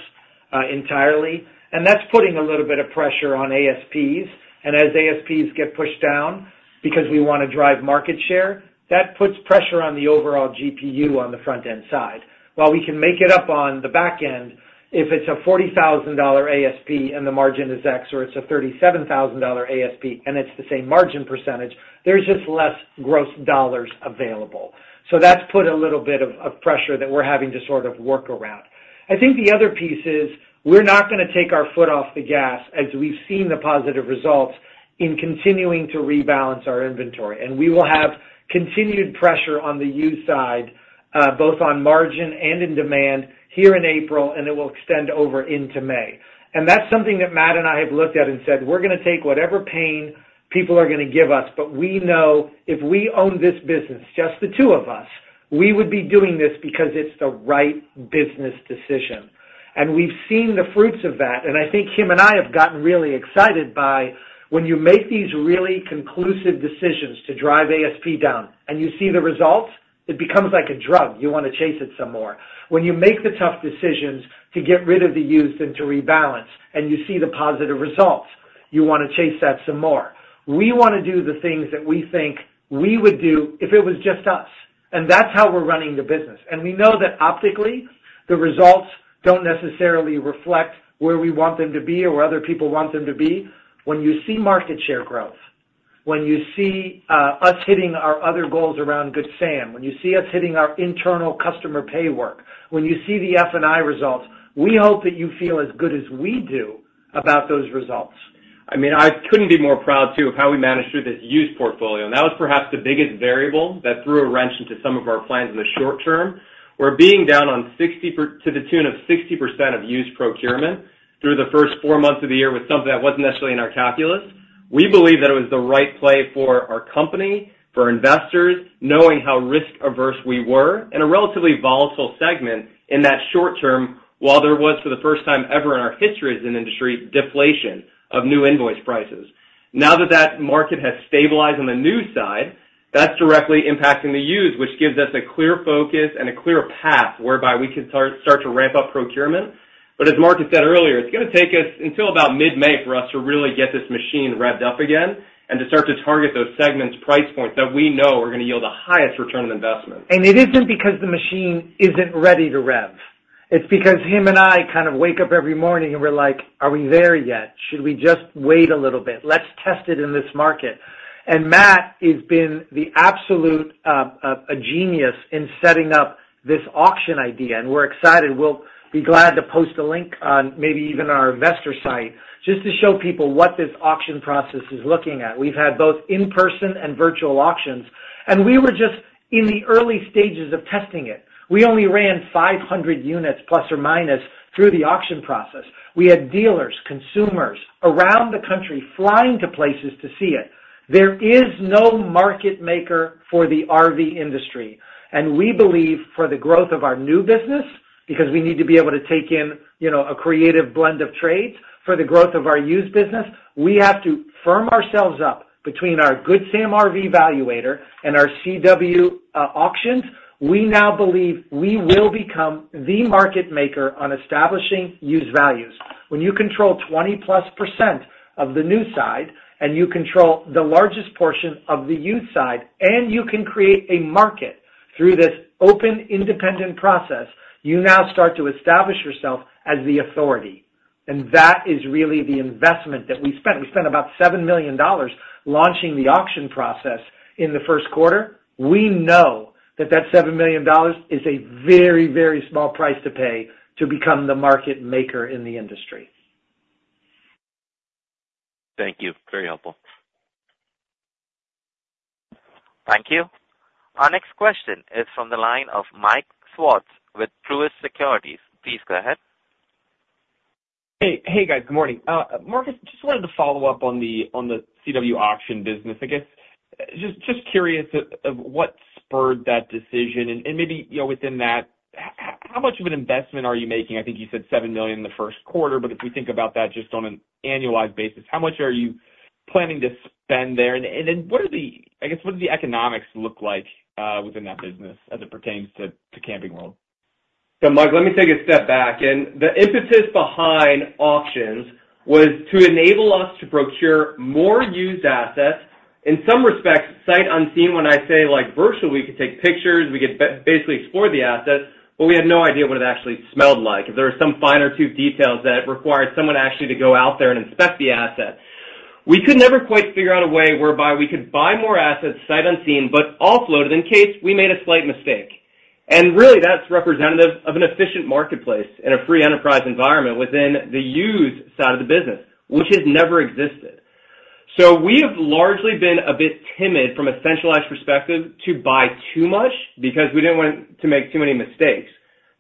S3: entirely, and that's putting a little bit of pressure on ASPs. As ASPs get pushed down because we wanna drive market share, that puts pressure on the overall GPU on the front-end side. While we can make it up on the back end, if it's a $40,000 ASP and the margin is X, or it's a $37,000 ASP and it's the same margin percentage, there's just less gross dollars available. So that's put a little bit of pressure that we're having to sort of work around. I think the other piece is, we're not gonna take our foot off the gas as we've seen the positive results in continuing to rebalance our inventory. And we will have continued pressure on the used side, both on margin and in demand here in April, and it will extend over into May. And that's something that Matt and I have looked at and said: "We're gonna take whatever pain people are gonna give us, but we know if we own this business, just the two of us, we would be doing this because it's the right business decision." And we've seen the fruits of that, and I think him and I have gotten really excited by when you make these really conclusive decisions to drive ASP down and you see the results, it becomes like a drug. You wanna chase it some more. When you make the tough decisions to get rid of the used and to rebalance, and you see the positive results, you wanna chase that some more. We wanna do the things that we think we would do if it was just us, and that's how we're running the business. We know that optically, the results don't necessarily reflect where we want them to be or where other people want them to be. When you see market share growth, when you see us hitting our other goals around Good Sam, when you see us hitting our internal customer pay work, when you see the F&I results, we hope that you feel as good as we do about those results.
S4: I mean, I couldn't be more proud, too, of how we managed through this used portfolio. That was perhaps the biggest variable that threw a wrench into some of our plans in the short term. We're being down on 60% to the tune of 60% of used procurement through the first four months of the year with something that wasn't necessarily in our calculus. We believe that it was the right play for our company, for investors, knowing how risk-averse we were in a relatively volatile segment in that short term, while there was, for the first time ever in our history as an industry, deflation of new invoice prices. Now that that market has stabilized on the new side, that's directly impacting the used, which gives us a clear focus and a clear path whereby we can start to ramp up procurement. But as Marcus said earlier, it's gonna take us until about mid-May for us to really get this machine revved up again and to start to target those segments' price points that we know are gonna yield the highest return on investment.
S3: It isn't because the machine isn't ready to rev. It's because him and I kind of wake up every morning and we're like: Are we there yet? Should we just wait a little bit? Let's test it in this market. Matt has been the absolute, a genius in setting up this auction idea, and we're excited. We'll be glad to post a link on maybe even our investor site just to show people what this auction process is looking at. We've had both in-person and virtual auctions, and we were just in the early stages of testing it. We only ran 500 units, plus or minus, through the auction process. We had dealers, consumers around the country flying to places to see it. There is no market maker for the RV industry, and we believe for the growth of our new business, because we need to be able to take in, you know, a creative blend of trades for the growth of our used business, we have to firm ourselves up between our Good Sam RV Valuator and our CW Auctions. We now believe we will become the market maker on establishing used values. When you control 20%+ of the new side, and you control the largest portion of the used side, and you can create a market through this open, independent process, you now start to establish yourself as the authority, and that is really the investment that we spent. We spent about $7 million launching the auction process in the first quarter. We know that that $7 million is a very, very small price to pay to become the market maker in the industry.
S9: Thank you. Very helpful.
S1: Thank you. Our next question is from the line of Michael Swartz with Truist Securities. Please go ahead.
S10: Hey, hey, guys, good morning. Marcus, just wanted to follow up on the CW auction business. I guess just curious of what spurred that decision, and maybe, you know, within that, how much of an investment are you making? I think you said $7 million in the first quarter, but if we think about that just on an annualized basis, how much are you planning to spend there? And then what are the—I guess, what do the economics look like within that business as it pertains to Camping World?
S4: So Mike, let me take a step back, and the impetus behind auctions was to enable us to procure more used assets, in some respects, sight unseen. When I say, like, virtual, we could take pictures, we could basically explore the assets, but we had no idea what it actually smelled like. If there were some finer, too, details that required someone actually to go out there and inspect the asset. We could never quite figure out a way whereby we could buy more assets, sight unseen, but offload it in case we made a slight mistake. And really, that's representative of an efficient marketplace in a free enterprise environment within the used side of the business, which has never existed. So we have largely been a bit timid from a centralized perspective to buy too much because we didn't want to make too many mistakes.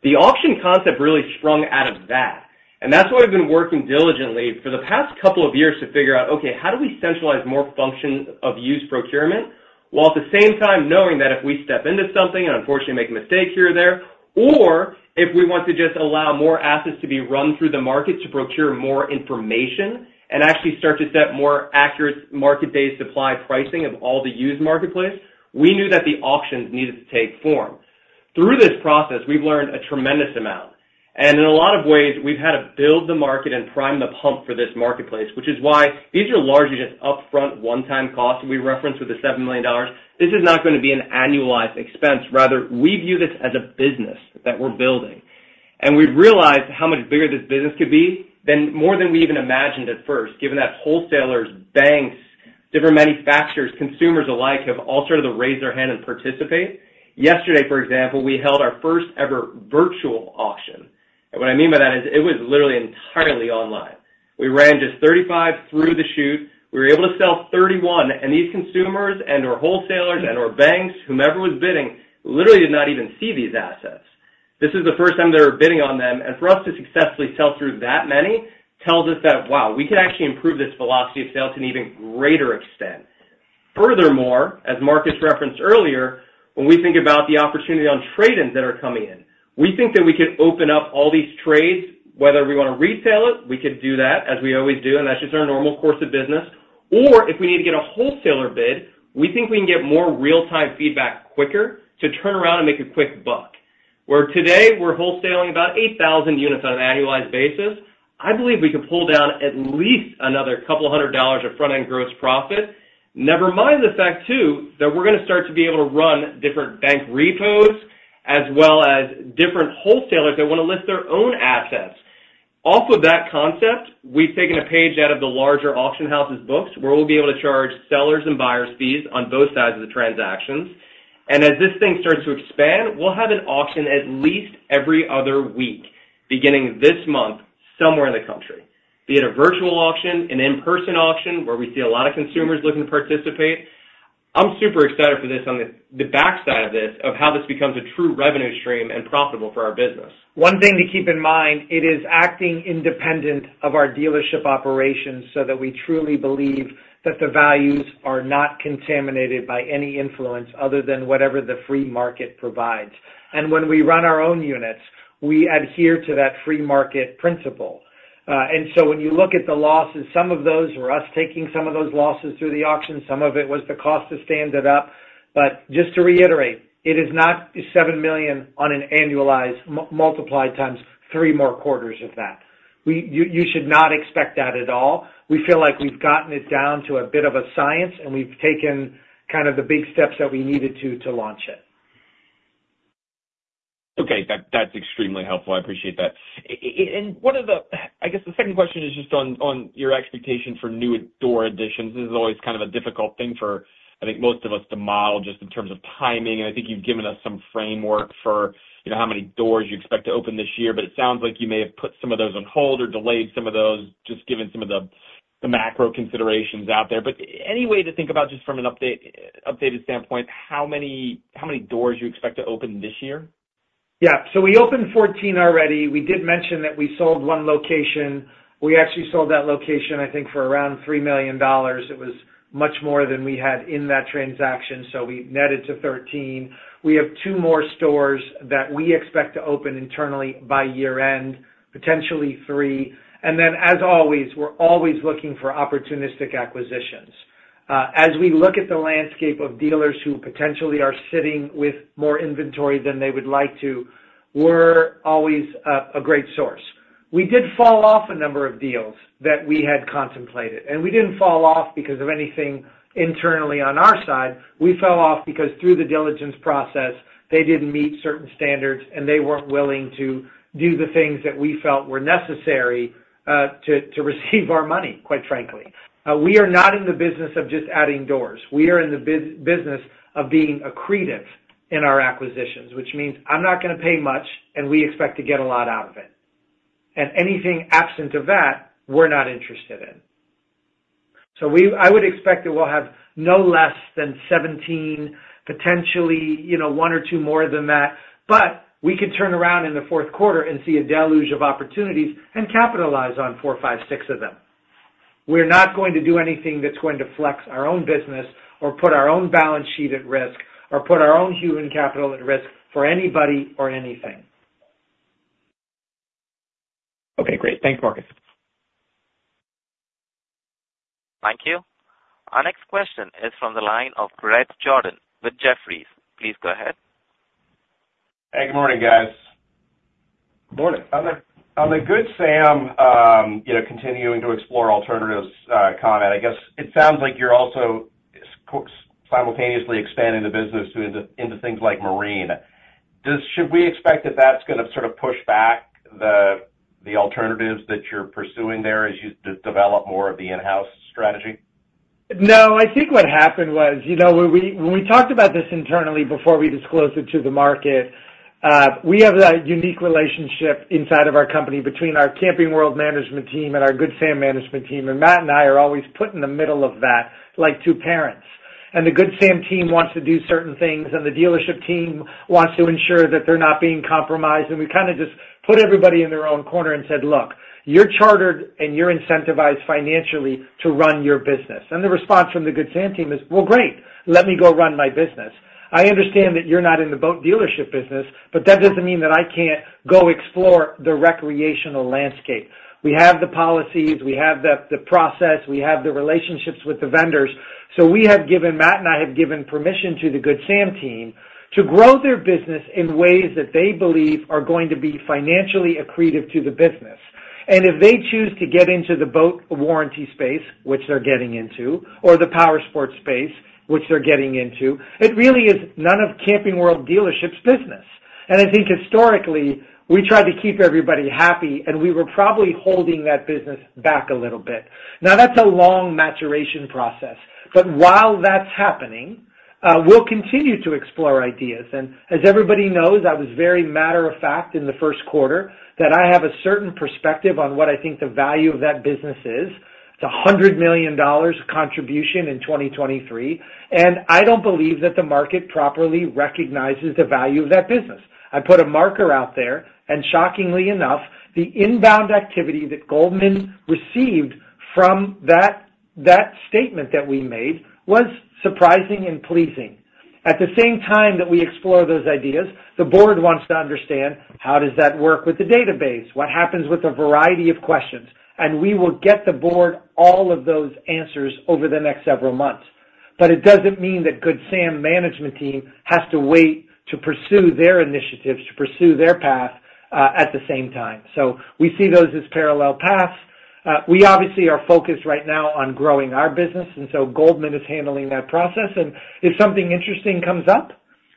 S4: The auction concept really sprung out of that, and that's what I've been working diligently for the past couple of years to figure out, okay, how do we centralize more function of used procurement, while at the same time, knowing that if we step into something and unfortunately make a mistake here or there, or if we want to just allow more assets to be run through the market to procure more information and actually start to set more accurate market-based supply pricing of all the used marketplace, we knew that the auctions needed to take form. Through this process, we've learned a tremendous amount, and in a lot of ways, we've had to build the market and prime the pump for this marketplace, which is why these are largely just upfront, one-time costs we referenced with the $7 million. This is not gonna be an annualized expense. Rather, we view this as a business that we're building, and we've realized how much bigger this business could be than more than we even imagined at first, given that wholesalers, banks, different manufacturers, consumers alike, have all started to raise their hand and participate. Yesterday, for example, we held our first ever virtual auction, and what I mean by that is it was literally entirely online. We ran just 35 through the chute. We were able to sell 31, and these consumers and/or wholesalers and/or banks, whomever was bidding, literally did not even see these assets. This is the first time they were bidding on them, and for us to successfully sell through that many tells us that, wow, we can actually improve this velocity of sales to an even greater extent. Furthermore, as Marcus referenced earlier, when we think about the opportunity on trade-ins that are coming in, we think that we could open up all these trades, whether we want to resell it, we could do that as we always do, and that's just our normal course of business. Or if we need to get a wholesaler bid, we think we can get more real-time feedback quicker to turn around and make a quick buck. Where today, we're wholesaling about 8,000 units on an annualized basis, I believe we could pull down at least another $200 of front-end gross profit. Never mind the fact, too, that we're gonna start to be able to run different bank repos, as well as different wholesalers that want to list their own assets. Off of that concept, we've taken a page out of the larger auction houses' books, where we'll be able to charge sellers and buyers' fees on both sides of the transactions. And as this thing starts to expand, we'll have an auction at least every other week, beginning this month, somewhere in the country, be it a virtual auction, an in-person auction, where we see a lot of consumers looking to participate. I'm super excited for this on the backside of this, of how this becomes a true revenue stream and profitable for our business.
S3: One thing to keep in mind, it is acting independent of our dealership operations, so that we truly believe that the values are not contaminated by any influence other than whatever the free market provides. And when we run our own units, we adhere to that free market principle. And so when you look at the losses, some of those were us taking some of those losses through the auction, some of it was the cost to stand it up. But just to reiterate, it is not $7 million on an annualized multiplied times three more quarters of that. You, you should not expect that at all. We feel like we've gotten it down to a bit of a science, and we've taken kind of the big steps that we needed to, to launch it.
S10: Okay, that, that's extremely helpful. I appreciate that. And what are the... I guess the second question is just on, on your expectation for new door additions. This is always kind of a difficult thing for, I think, most of us to model just in terms of timing, and I think you've given us some framework for, you know, how many doors you expect to open this year, but it sounds like you may have put some of those on hold or delayed some of those, just given some of the, the macro considerations out there. But any way to think about, just from an updated standpoint, how many, how many doors you expect to open this year?
S3: Yeah. So we opened 14 already. We did mention that we sold one location. We actually sold that location, I think, for around $3 million. It was much more than we had in that transaction, so we netted to 13. We have two more stores that we expect to open internally by year-end, potentially three. And then, as always, we're always looking for opportunistic acquisitions. As we look at the landscape of dealers who potentially are sitting with more inventory than they would like to, we're always a great source. We did fall off a number of deals that we had contemplated, and we didn't fall off because of anything internally on our side. We fell off because through the diligence process, they didn't meet certain standards, and they weren't willing to do the things that we felt were necessary to receive our money, quite frankly. We are not in the business of just adding doors. We are in the business of being accretive in our acquisitions, which means I'm not gonna pay much, and we expect to get a lot out of it. And anything absent of that, we're not interested in. So I would expect that we'll have no less than 17, potentially, you know, 1 or 2 more than that, but we could turn around in the fourth quarter and see a deluge of opportunities and capitalize on 4, 5, 6 of them. We're not going to do anything that's going to flex our own business or put our own balance sheet at risk or put our own human capital at risk for anybody or anything.
S10: Okay, great. Thanks, Marcus.
S1: Thank you. Our next question is from the line of Bret Jordan with Jefferies. Please go ahead.
S11: Hey, good morning, guys.
S3: Morning.
S11: On the Good Sam, you know, continuing to explore alternatives, comment, I guess it sounds like you're also simultaneously expanding the business into, into things like marine. Should we expect that, that's gonna sort of push back the, the alternatives that you're pursuing there as you develop more of the in-house strategy?
S3: No, I think what happened was, you know, when we, when we talked about this internally before we disclosed it to the market, we have that unique relationship inside of our company between our Camping World management team and our Good Sam management team, and Matt and I are always put in the middle of that, like two parents. And the Good Sam team wants to do certain things, and the dealership team wants to ensure that they're not being compromised, and we kind of just put everybody in their own corner and said, "Look, you're chartered and you're incentivized financially to run your business." And the response from the Good Sam team is, "Well, great, let me go run my business. I understand that you're not in the boat dealership business, but that doesn't mean that I can't go explore the recreational landscape." We have the policies, we have the process, we have the relationships with the vendors. So we have given, Matt and I have given permission to the Good Sam team to grow their business in ways that they believe are going to be financially accretive to the business. And if they choose to get into the boat warranty space, which they're getting into, or the powersports space, which they're getting into, it really is none of Camping World dealership's business. And I think historically, we tried to keep everybody happy, and we were probably holding that business back a little bit. Now, that's a long maturation process. But while that's happening, we'll continue to explore ideas. As everybody knows, I was very matter of fact, in the first quarter, that I have a certain perspective on what I think the value of that business is. It's a $100 million contribution in 2023, and I don't believe that the market properly recognizes the value of that business. I put a marker out there, and shockingly enough, the inbound activity that Goldman received from that, that statement that we made was surprising and pleasing. At the same time that we explore those ideas, the board wants to understand: how does that work with the database? What happens with a variety of questions? And we will get the board all of those answers over the next several months. But it doesn't mean that Good Sam management team has to wait to pursue their initiatives, to pursue their path, at the same time. We see those as parallel paths. We obviously are focused right now on growing our business, and so Goldman is handling that process. If something interesting comes up,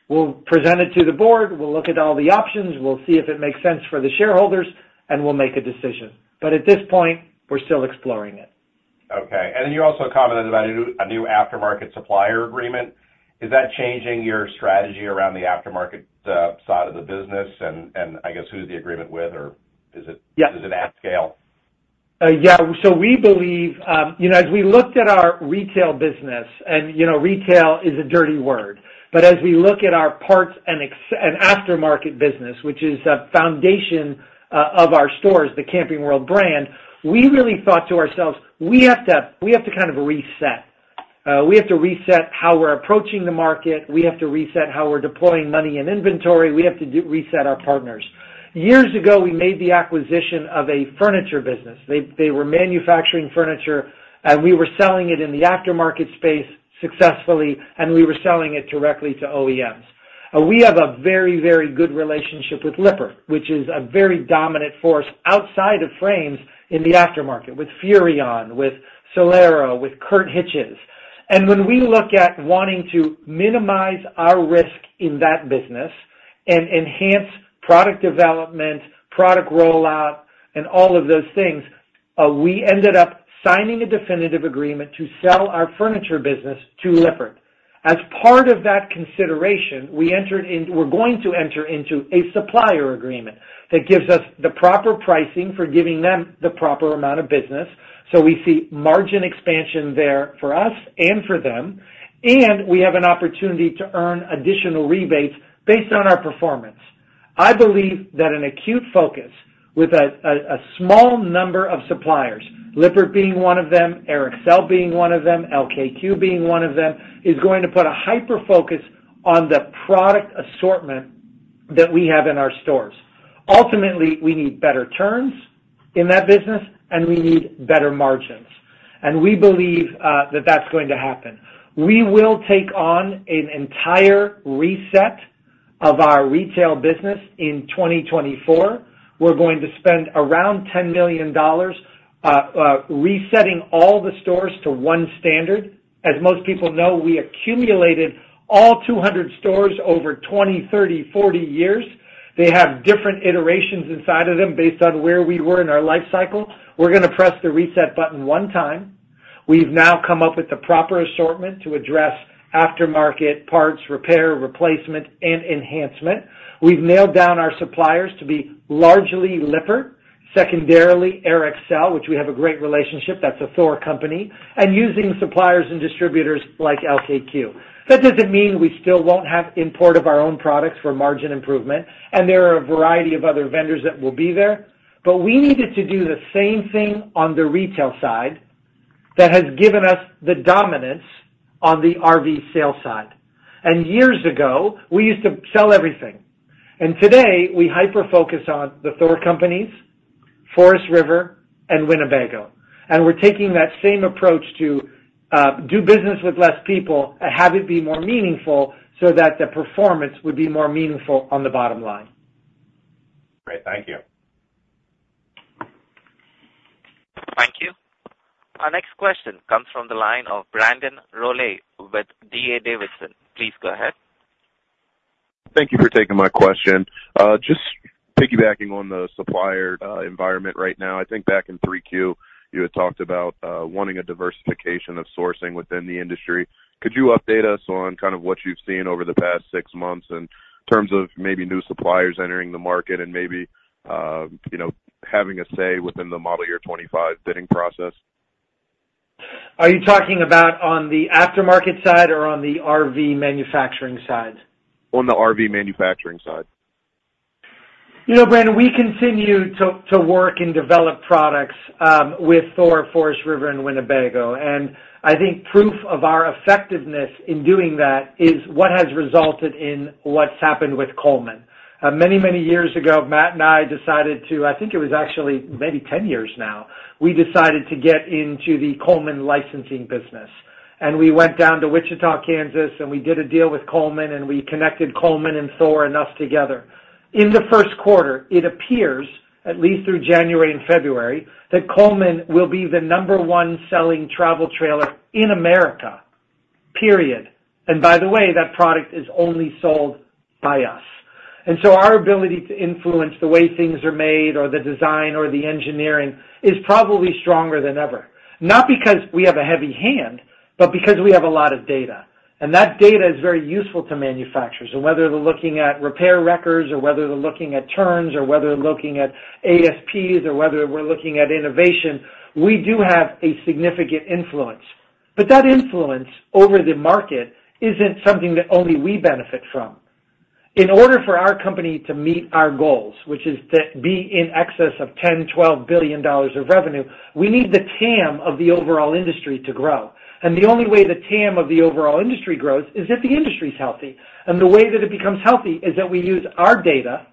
S3: we'll present it to the board, we'll look at all the options, we'll see if it makes sense for the shareholders, and we'll make a decision. At this point, we're still exploring it.
S11: Okay. And then you also commented about a new aftermarket supplier agreement. Is that changing your strategy around the aftermarket side of the business? And I guess, who's the agreement with or is it
S3: Yeah.
S11: Is it at scale?
S3: Yeah. So we believe, you know, as we looked at our retail business, and, you know, retail is a dirty word, but as we look at our parts and accessories and aftermarket business, which is a foundation of our stores, the Camping World brand, we really thought to ourselves, we have to, we have to kind of reset. We have to reset how we're approaching the market, we have to reset how we're deploying money and inventory, we have to reset our partners. Years ago, we made the acquisition of a furniture business. They were manufacturing furniture, and we were selling it in the aftermarket space successfully, and we were selling it directly to OEMs. We have a very, very good relationship with Lippert, which is a very dominant force outside of frames in the aftermarket, with Furrion, with Solera, with Curt hitches. When we look at wanting to minimize our risk in that business and enhance product development, product rollout, and all of those things, we ended up signing a definitive agreement to sell our furniture business to Lippert. As part of that consideration, we're going to enter into a supplier agreement that gives us the proper pricing for giving them the proper amount of business. So we see margin expansion there for us and for them, and we have an opportunity to earn additional rebates based on our performance. I believe that an acute focus with a small number of suppliers, Lippert being one of them, Airxcel being one of them, LKQ being one of them, is going to put a hyper-focus on the product assortment that we have in our stores. Ultimately, we need better turns in that business, and we need better margins. We believe that that's going to happen. We will take on an entire reset of our retail business in 2024. We're going to spend around $10 million resetting all the stores to one standard. As most people know, we accumulated all 200 stores over 20, 30, 40 years. They have different iterations inside of them based on where we were in our life cycle. We're gonna press the reset button one time. We've now come up with the proper assortment to address aftermarket parts, repair, replacement, and enhancement. We've nailed down our suppliers to be largely Lippert, secondarily, Airxcel, which we have a great relationship, that's a Thor company, and using suppliers and distributors like LKQ. That doesn't mean we still won't have import of our own products for margin improvement, and there are a variety of other vendors that will be there, but we needed to do the same thing on the retail side that has given us the dominance on the RV sales side. And years ago, we used to sell everything, and today, we hyper-focus on the Thor companies, Forest River, and Winnebago. And we're taking that same approach to do business with less people and have it be more meaningful so that the performance would be more meaningful on the bottom line.
S11: Great. Thank you.
S1: Thank you. Our next question comes from the line of Brandon Rollé with D.A. Davidson. Please go ahead.
S12: Thank you for taking my question. Just piggybacking on the supplier environment right now, I think back in 3Q, you had talked about wanting a diversification of sourcing within the industry. Could you update us on kind of what you've seen over the past six months in terms of maybe new suppliers entering the market and maybe, you know, having a say within the model year 25 bidding process?
S3: Are you talking about on the aftermarket side or on the RV manufacturing side?
S12: On the RV manufacturing side.
S3: You know, Brandon, we continue to work and develop products with Thor, Forest River, and Winnebago, and I think proof of our effectiveness in doing that is what has resulted in what's happened with Coleman. Many, many years ago, Matt and I decided to—I think it was actually maybe 10 years now, we decided to get into the Coleman licensing business, and we went down to Wichita, Kansas, and we did a deal with Coleman, and we connected Coleman and Thor and us together. In the first quarter, it appears, at least through January and February, that Coleman will be the number one selling travel trailer in America, period. And by the way, that product is only sold by us. And so our ability to influence the way things are made or the design or the engineering is probably stronger than ever. Not because we have a heavy hand, but because we have a lot of data, and that data is very useful to manufacturers. So whether they're looking at repair records or whether they're looking at turns or whether they're looking at ASPs or whether we're looking at innovation, we do have a significant influence. But that influence over the market isn't something that only we benefit from. In order for our company to meet our goals, which is to be in excess of $10-$12 billion of revenue, we need the TAM of the overall industry to grow. And the only way the TAM of the overall industry grows is if the industry's healthy. And the way that it becomes healthy is that we use our data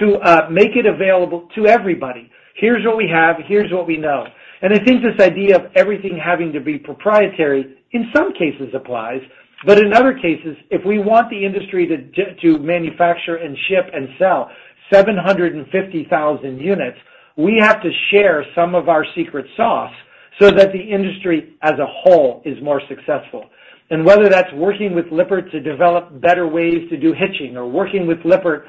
S3: to make it available to everybody. Here's what we have, here's what we know. I think this idea of everything having to be proprietary in some cases applies, but in other cases, if we want the industry to manufacture and ship and sell 750,000 units, we have to share some of our secret sauce so that the industry as a whole is more successful. Whether that's working with Lippert to develop better ways to do hitching, or working with Lippert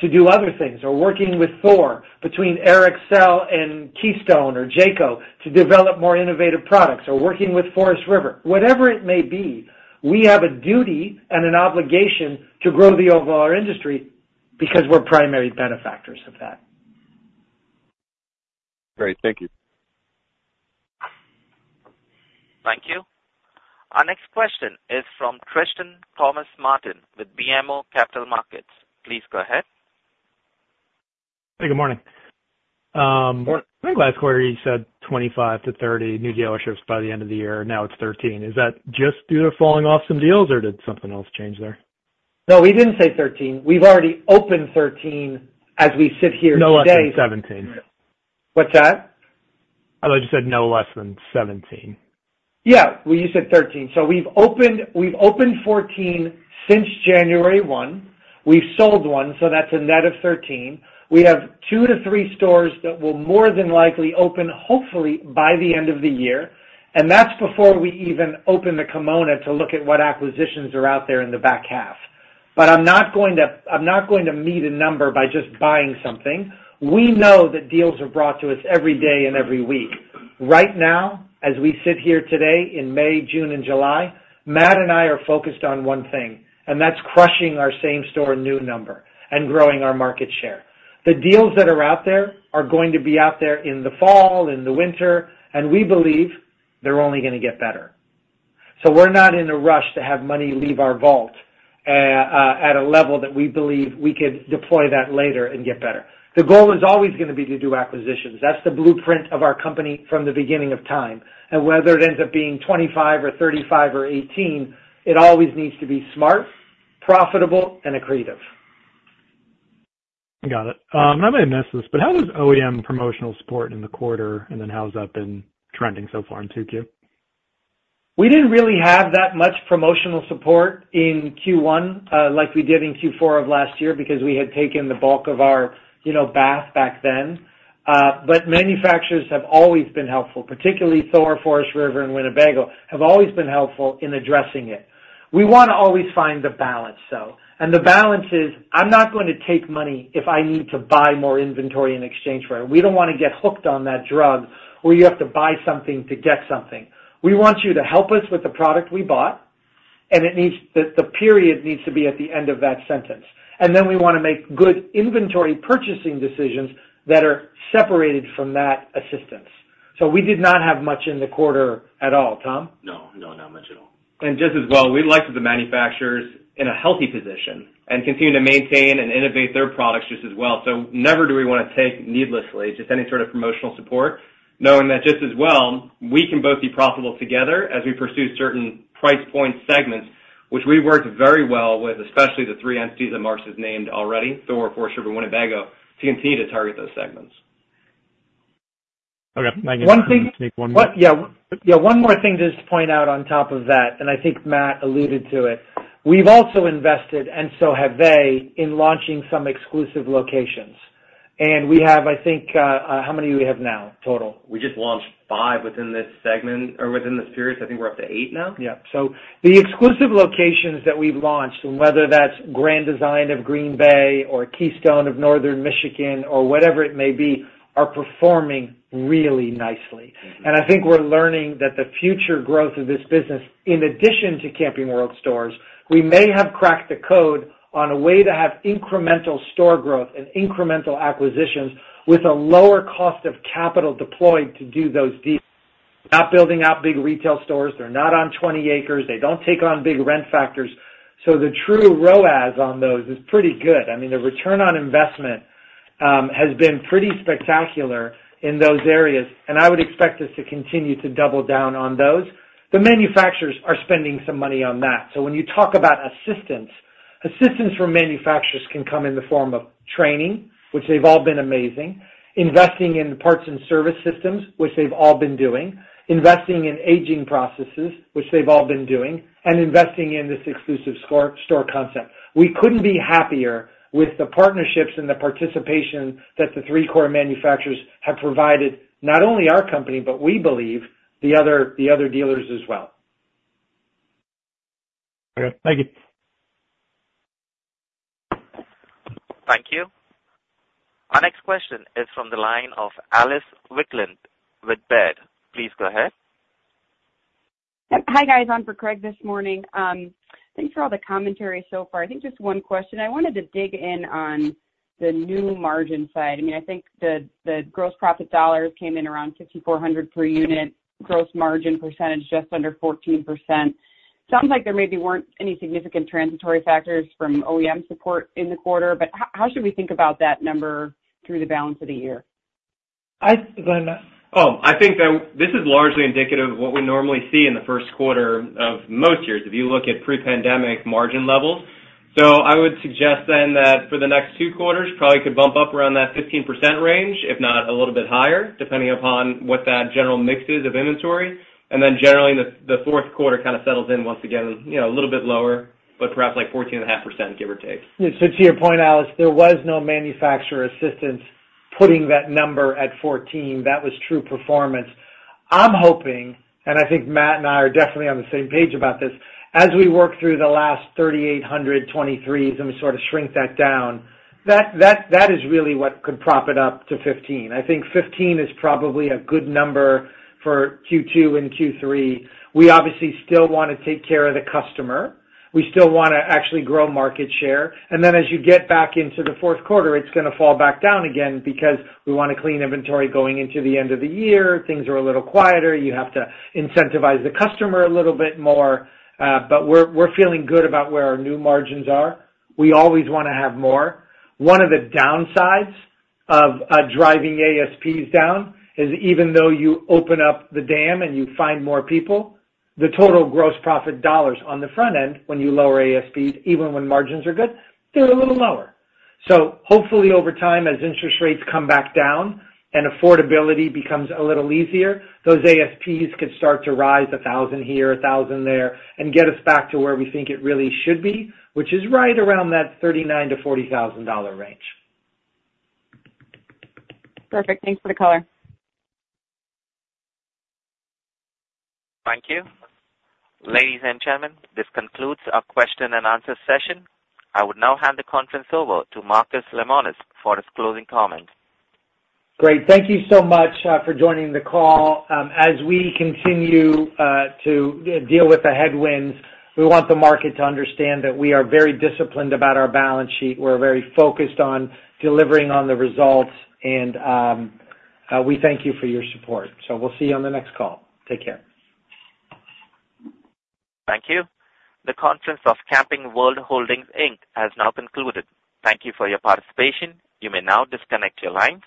S3: to do other things, or working with Thor, between Airxcel and Keystone or Jayco to develop more innovative products, or working with Forest River, whatever it may be, we have a duty and an obligation to grow the overall industry because we're primary benefactors of that.
S12: Great. Thank you.
S1: Thank you. Our next question is from Tristan Thomas-Martin with BMO Capital Markets. Please go ahead.
S13: Hey, good morning.
S3: Good morning.
S13: I think last quarter you said 25-30 new dealerships by the end of the year, now it's 13. Is that just due to falling off some deals or did something else change there?
S3: No, we didn't say 13. We've already opened 13 as we sit here today-
S13: No less than 17.
S3: What's that?
S13: I thought you said no less than 17.
S3: Yeah, well, you said 13. So we've opened, we've opened 14 since January 1. We've sold 1, so that's a net of 13. We have 2-3 stores that will more than likely open, hopefully, by the end of the year, and that's before we even open the kimono to look at what acquisitions are out there in the back half. But I'm not going to. I'm not going to meet a number by just buying something. We know that deals are brought to us every day and every week. Right now, as we sit here today in May, June, and July, Matt and I are focused on one thing, and that's crushing our same store new number and growing our market share. The deals that are out there are going to be out there in the fall, in the winter, and we believe they're only gonna get better. We're not in a rush to have money leave our vault, at a level that we believe we could deploy that later and get better. The goal is always gonna be to do acquisitions. That's the blueprint of our company from the beginning of time. Whether it ends up being 25 or 35 or 18, it always needs to be smart, profitable, and accretive.
S13: I got it. I may have missed this, but how was OEM promotional support in the quarter, and then how has that been trending so far in 2Q?
S3: We didn't really have that much promotional support in Q1, like we did in Q4 of last year, because we had taken the bulk of our, you know, bath back then. But manufacturers have always been helpful, particularly Thor, Forest River, and Winnebago, have always been helpful in addressing it. We wanna always find the balance, though, and the balance is, I'm not going to take money if I need to buy more inventory in exchange for it. We don't want to get hooked on that drug, where you have to buy something to get something. We want you to help us with the product we bought, and it needs, the period needs to be at the end of that sentence. And then we wanna make good inventory purchasing decisions that are separated from that assistance. So we did not have much in the quarter at all. Tom?
S5: No, no, not much at all. And just as well, we like the manufacturers in a healthy position and continue to maintain and innovate their products just as well. So never do we wanna take needlessly just any sort of promotional support, knowing that just as well, we can both be profitable together as we pursue certain price point segments, which we worked very well with, especially the three entities that Marcus has named already, Thor, Forest River, Winnebago, to continue to target those segments.
S13: Okay, thank you.
S3: One thing
S13: Take one more.
S3: Yeah. Yeah, one more thing just to point out on top of that, and I think Matt alluded to it. We've also invested, and so have they, in launching some exclusive locations. And we have, I think, how many do we have now, total?
S4: We just launched five within this segment or within this period. I think we're up to eight now.
S3: Yeah. So the exclusive locations that we've launched, whether that's Grand Design of Green Bay or Keystone of Northern Michigan or whatever it may be, are performing really nicely I think we're learning that the future growth of this business, in addition to Camping World stores, we may have cracked the code on a way to have incremental store growth and incremental acquisitions with a lower cost of capital deployed to do those deals. Not building out big retail stores, they're not on 20 acres, they don't take on big rent factors. So the true ROIs on those is pretty good. I mean, the return on investment has been pretty spectacular in those areas, and I would expect us to continue to double down on those. The manufacturers are spending some money on that. So when you talk about assistance, assistance from manufacturers can come in the form of training, which they've all been amazing, investing in parts and service systems, which they've all been doing, investing in aging processes, which they've all been doing, and investing in this exclusive store concept. We couldn't be happier with the partnerships and the participation that the three core manufacturers have provided, not only our company, but we believe the other, the other dealers as well.
S13: Okay, thank you.
S1: Thank you. Our next question is from the line of Alice Wycklendt with Baird. Please go ahead.
S14: Hi, guys. On for Craig this morning. Thanks for all the commentary so far. I think just one question. I wanted to dig in on the new margin side. I mean, I think the gross profit dollars came in around $6,400 per unit, gross margin percentage, just under 14%. Sounds like there maybe weren't any significant transitory factors from OEM support in the quarter, but how should we think about that number through the balance of the year?
S3: Go ahead, Matt.
S4: Oh, I think that this is largely indicative of what we normally see in the first quarter of most years, if you look at pre-pandemic margin levels. So I would suggest then that for the next two quarters, probably could bump up around that 15% range, if not a little bit higher, depending upon what that general mix is of inventory. And then generally, the fourth quarter kind of settles in once again, you know, a little bit lower, but perhaps like 14.5%, give or take.
S3: So to your point, Alice, there was no manufacturer assistance putting that number at 14. That was true performance. I'm hoping, and I think Matt and I are definitely on the same page about this, as we work through the last 3,800 2023s and we sort of shrink that down, that is really what could prop it up to 15. I think 15 is probably a good number for Q2 and Q3. We obviously still wanna take care of the customer. We still wanna actually grow market share. And then as you get back into the fourth quarter, it's gonna fall back down again because we want to clean inventory going into the end of the year, things are a little quieter, you have to incentivize the customer a little bit more. But we're feeling good about where our new margins are. We always wanna have more. One of the downsides of driving ASPs down is even though you open up the dam and you find more people, the total gross profit dollars on the front end when you lower ASPs, even when margins are good, they're a little lower. So hopefully, over time, as interest rates come back down and affordability becomes a little easier, those ASPs could start to rise $1,000 here, $1,000 there, and get us back to where we think it really should be, which is right around that $39,000-$40,000 range.
S14: Perfect. Thanks for the color.
S1: Thank you. Ladies and gentlemen, this concludes our question and answer session. I would now hand the conference over to Marcus Lemonis for his closing comments.
S3: Great. Thank you so much for joining the call. As we continue to deal with the headwinds, we want the market to understand that we are very disciplined about our balance sheet. We're very focused on delivering on the results, and we thank you for your support. So we'll see you on the next call. Take care.
S1: Thank you. The conference of Camping World Holdings, Inc has now concluded. Thank you for your participation. You may now disconnect your lines.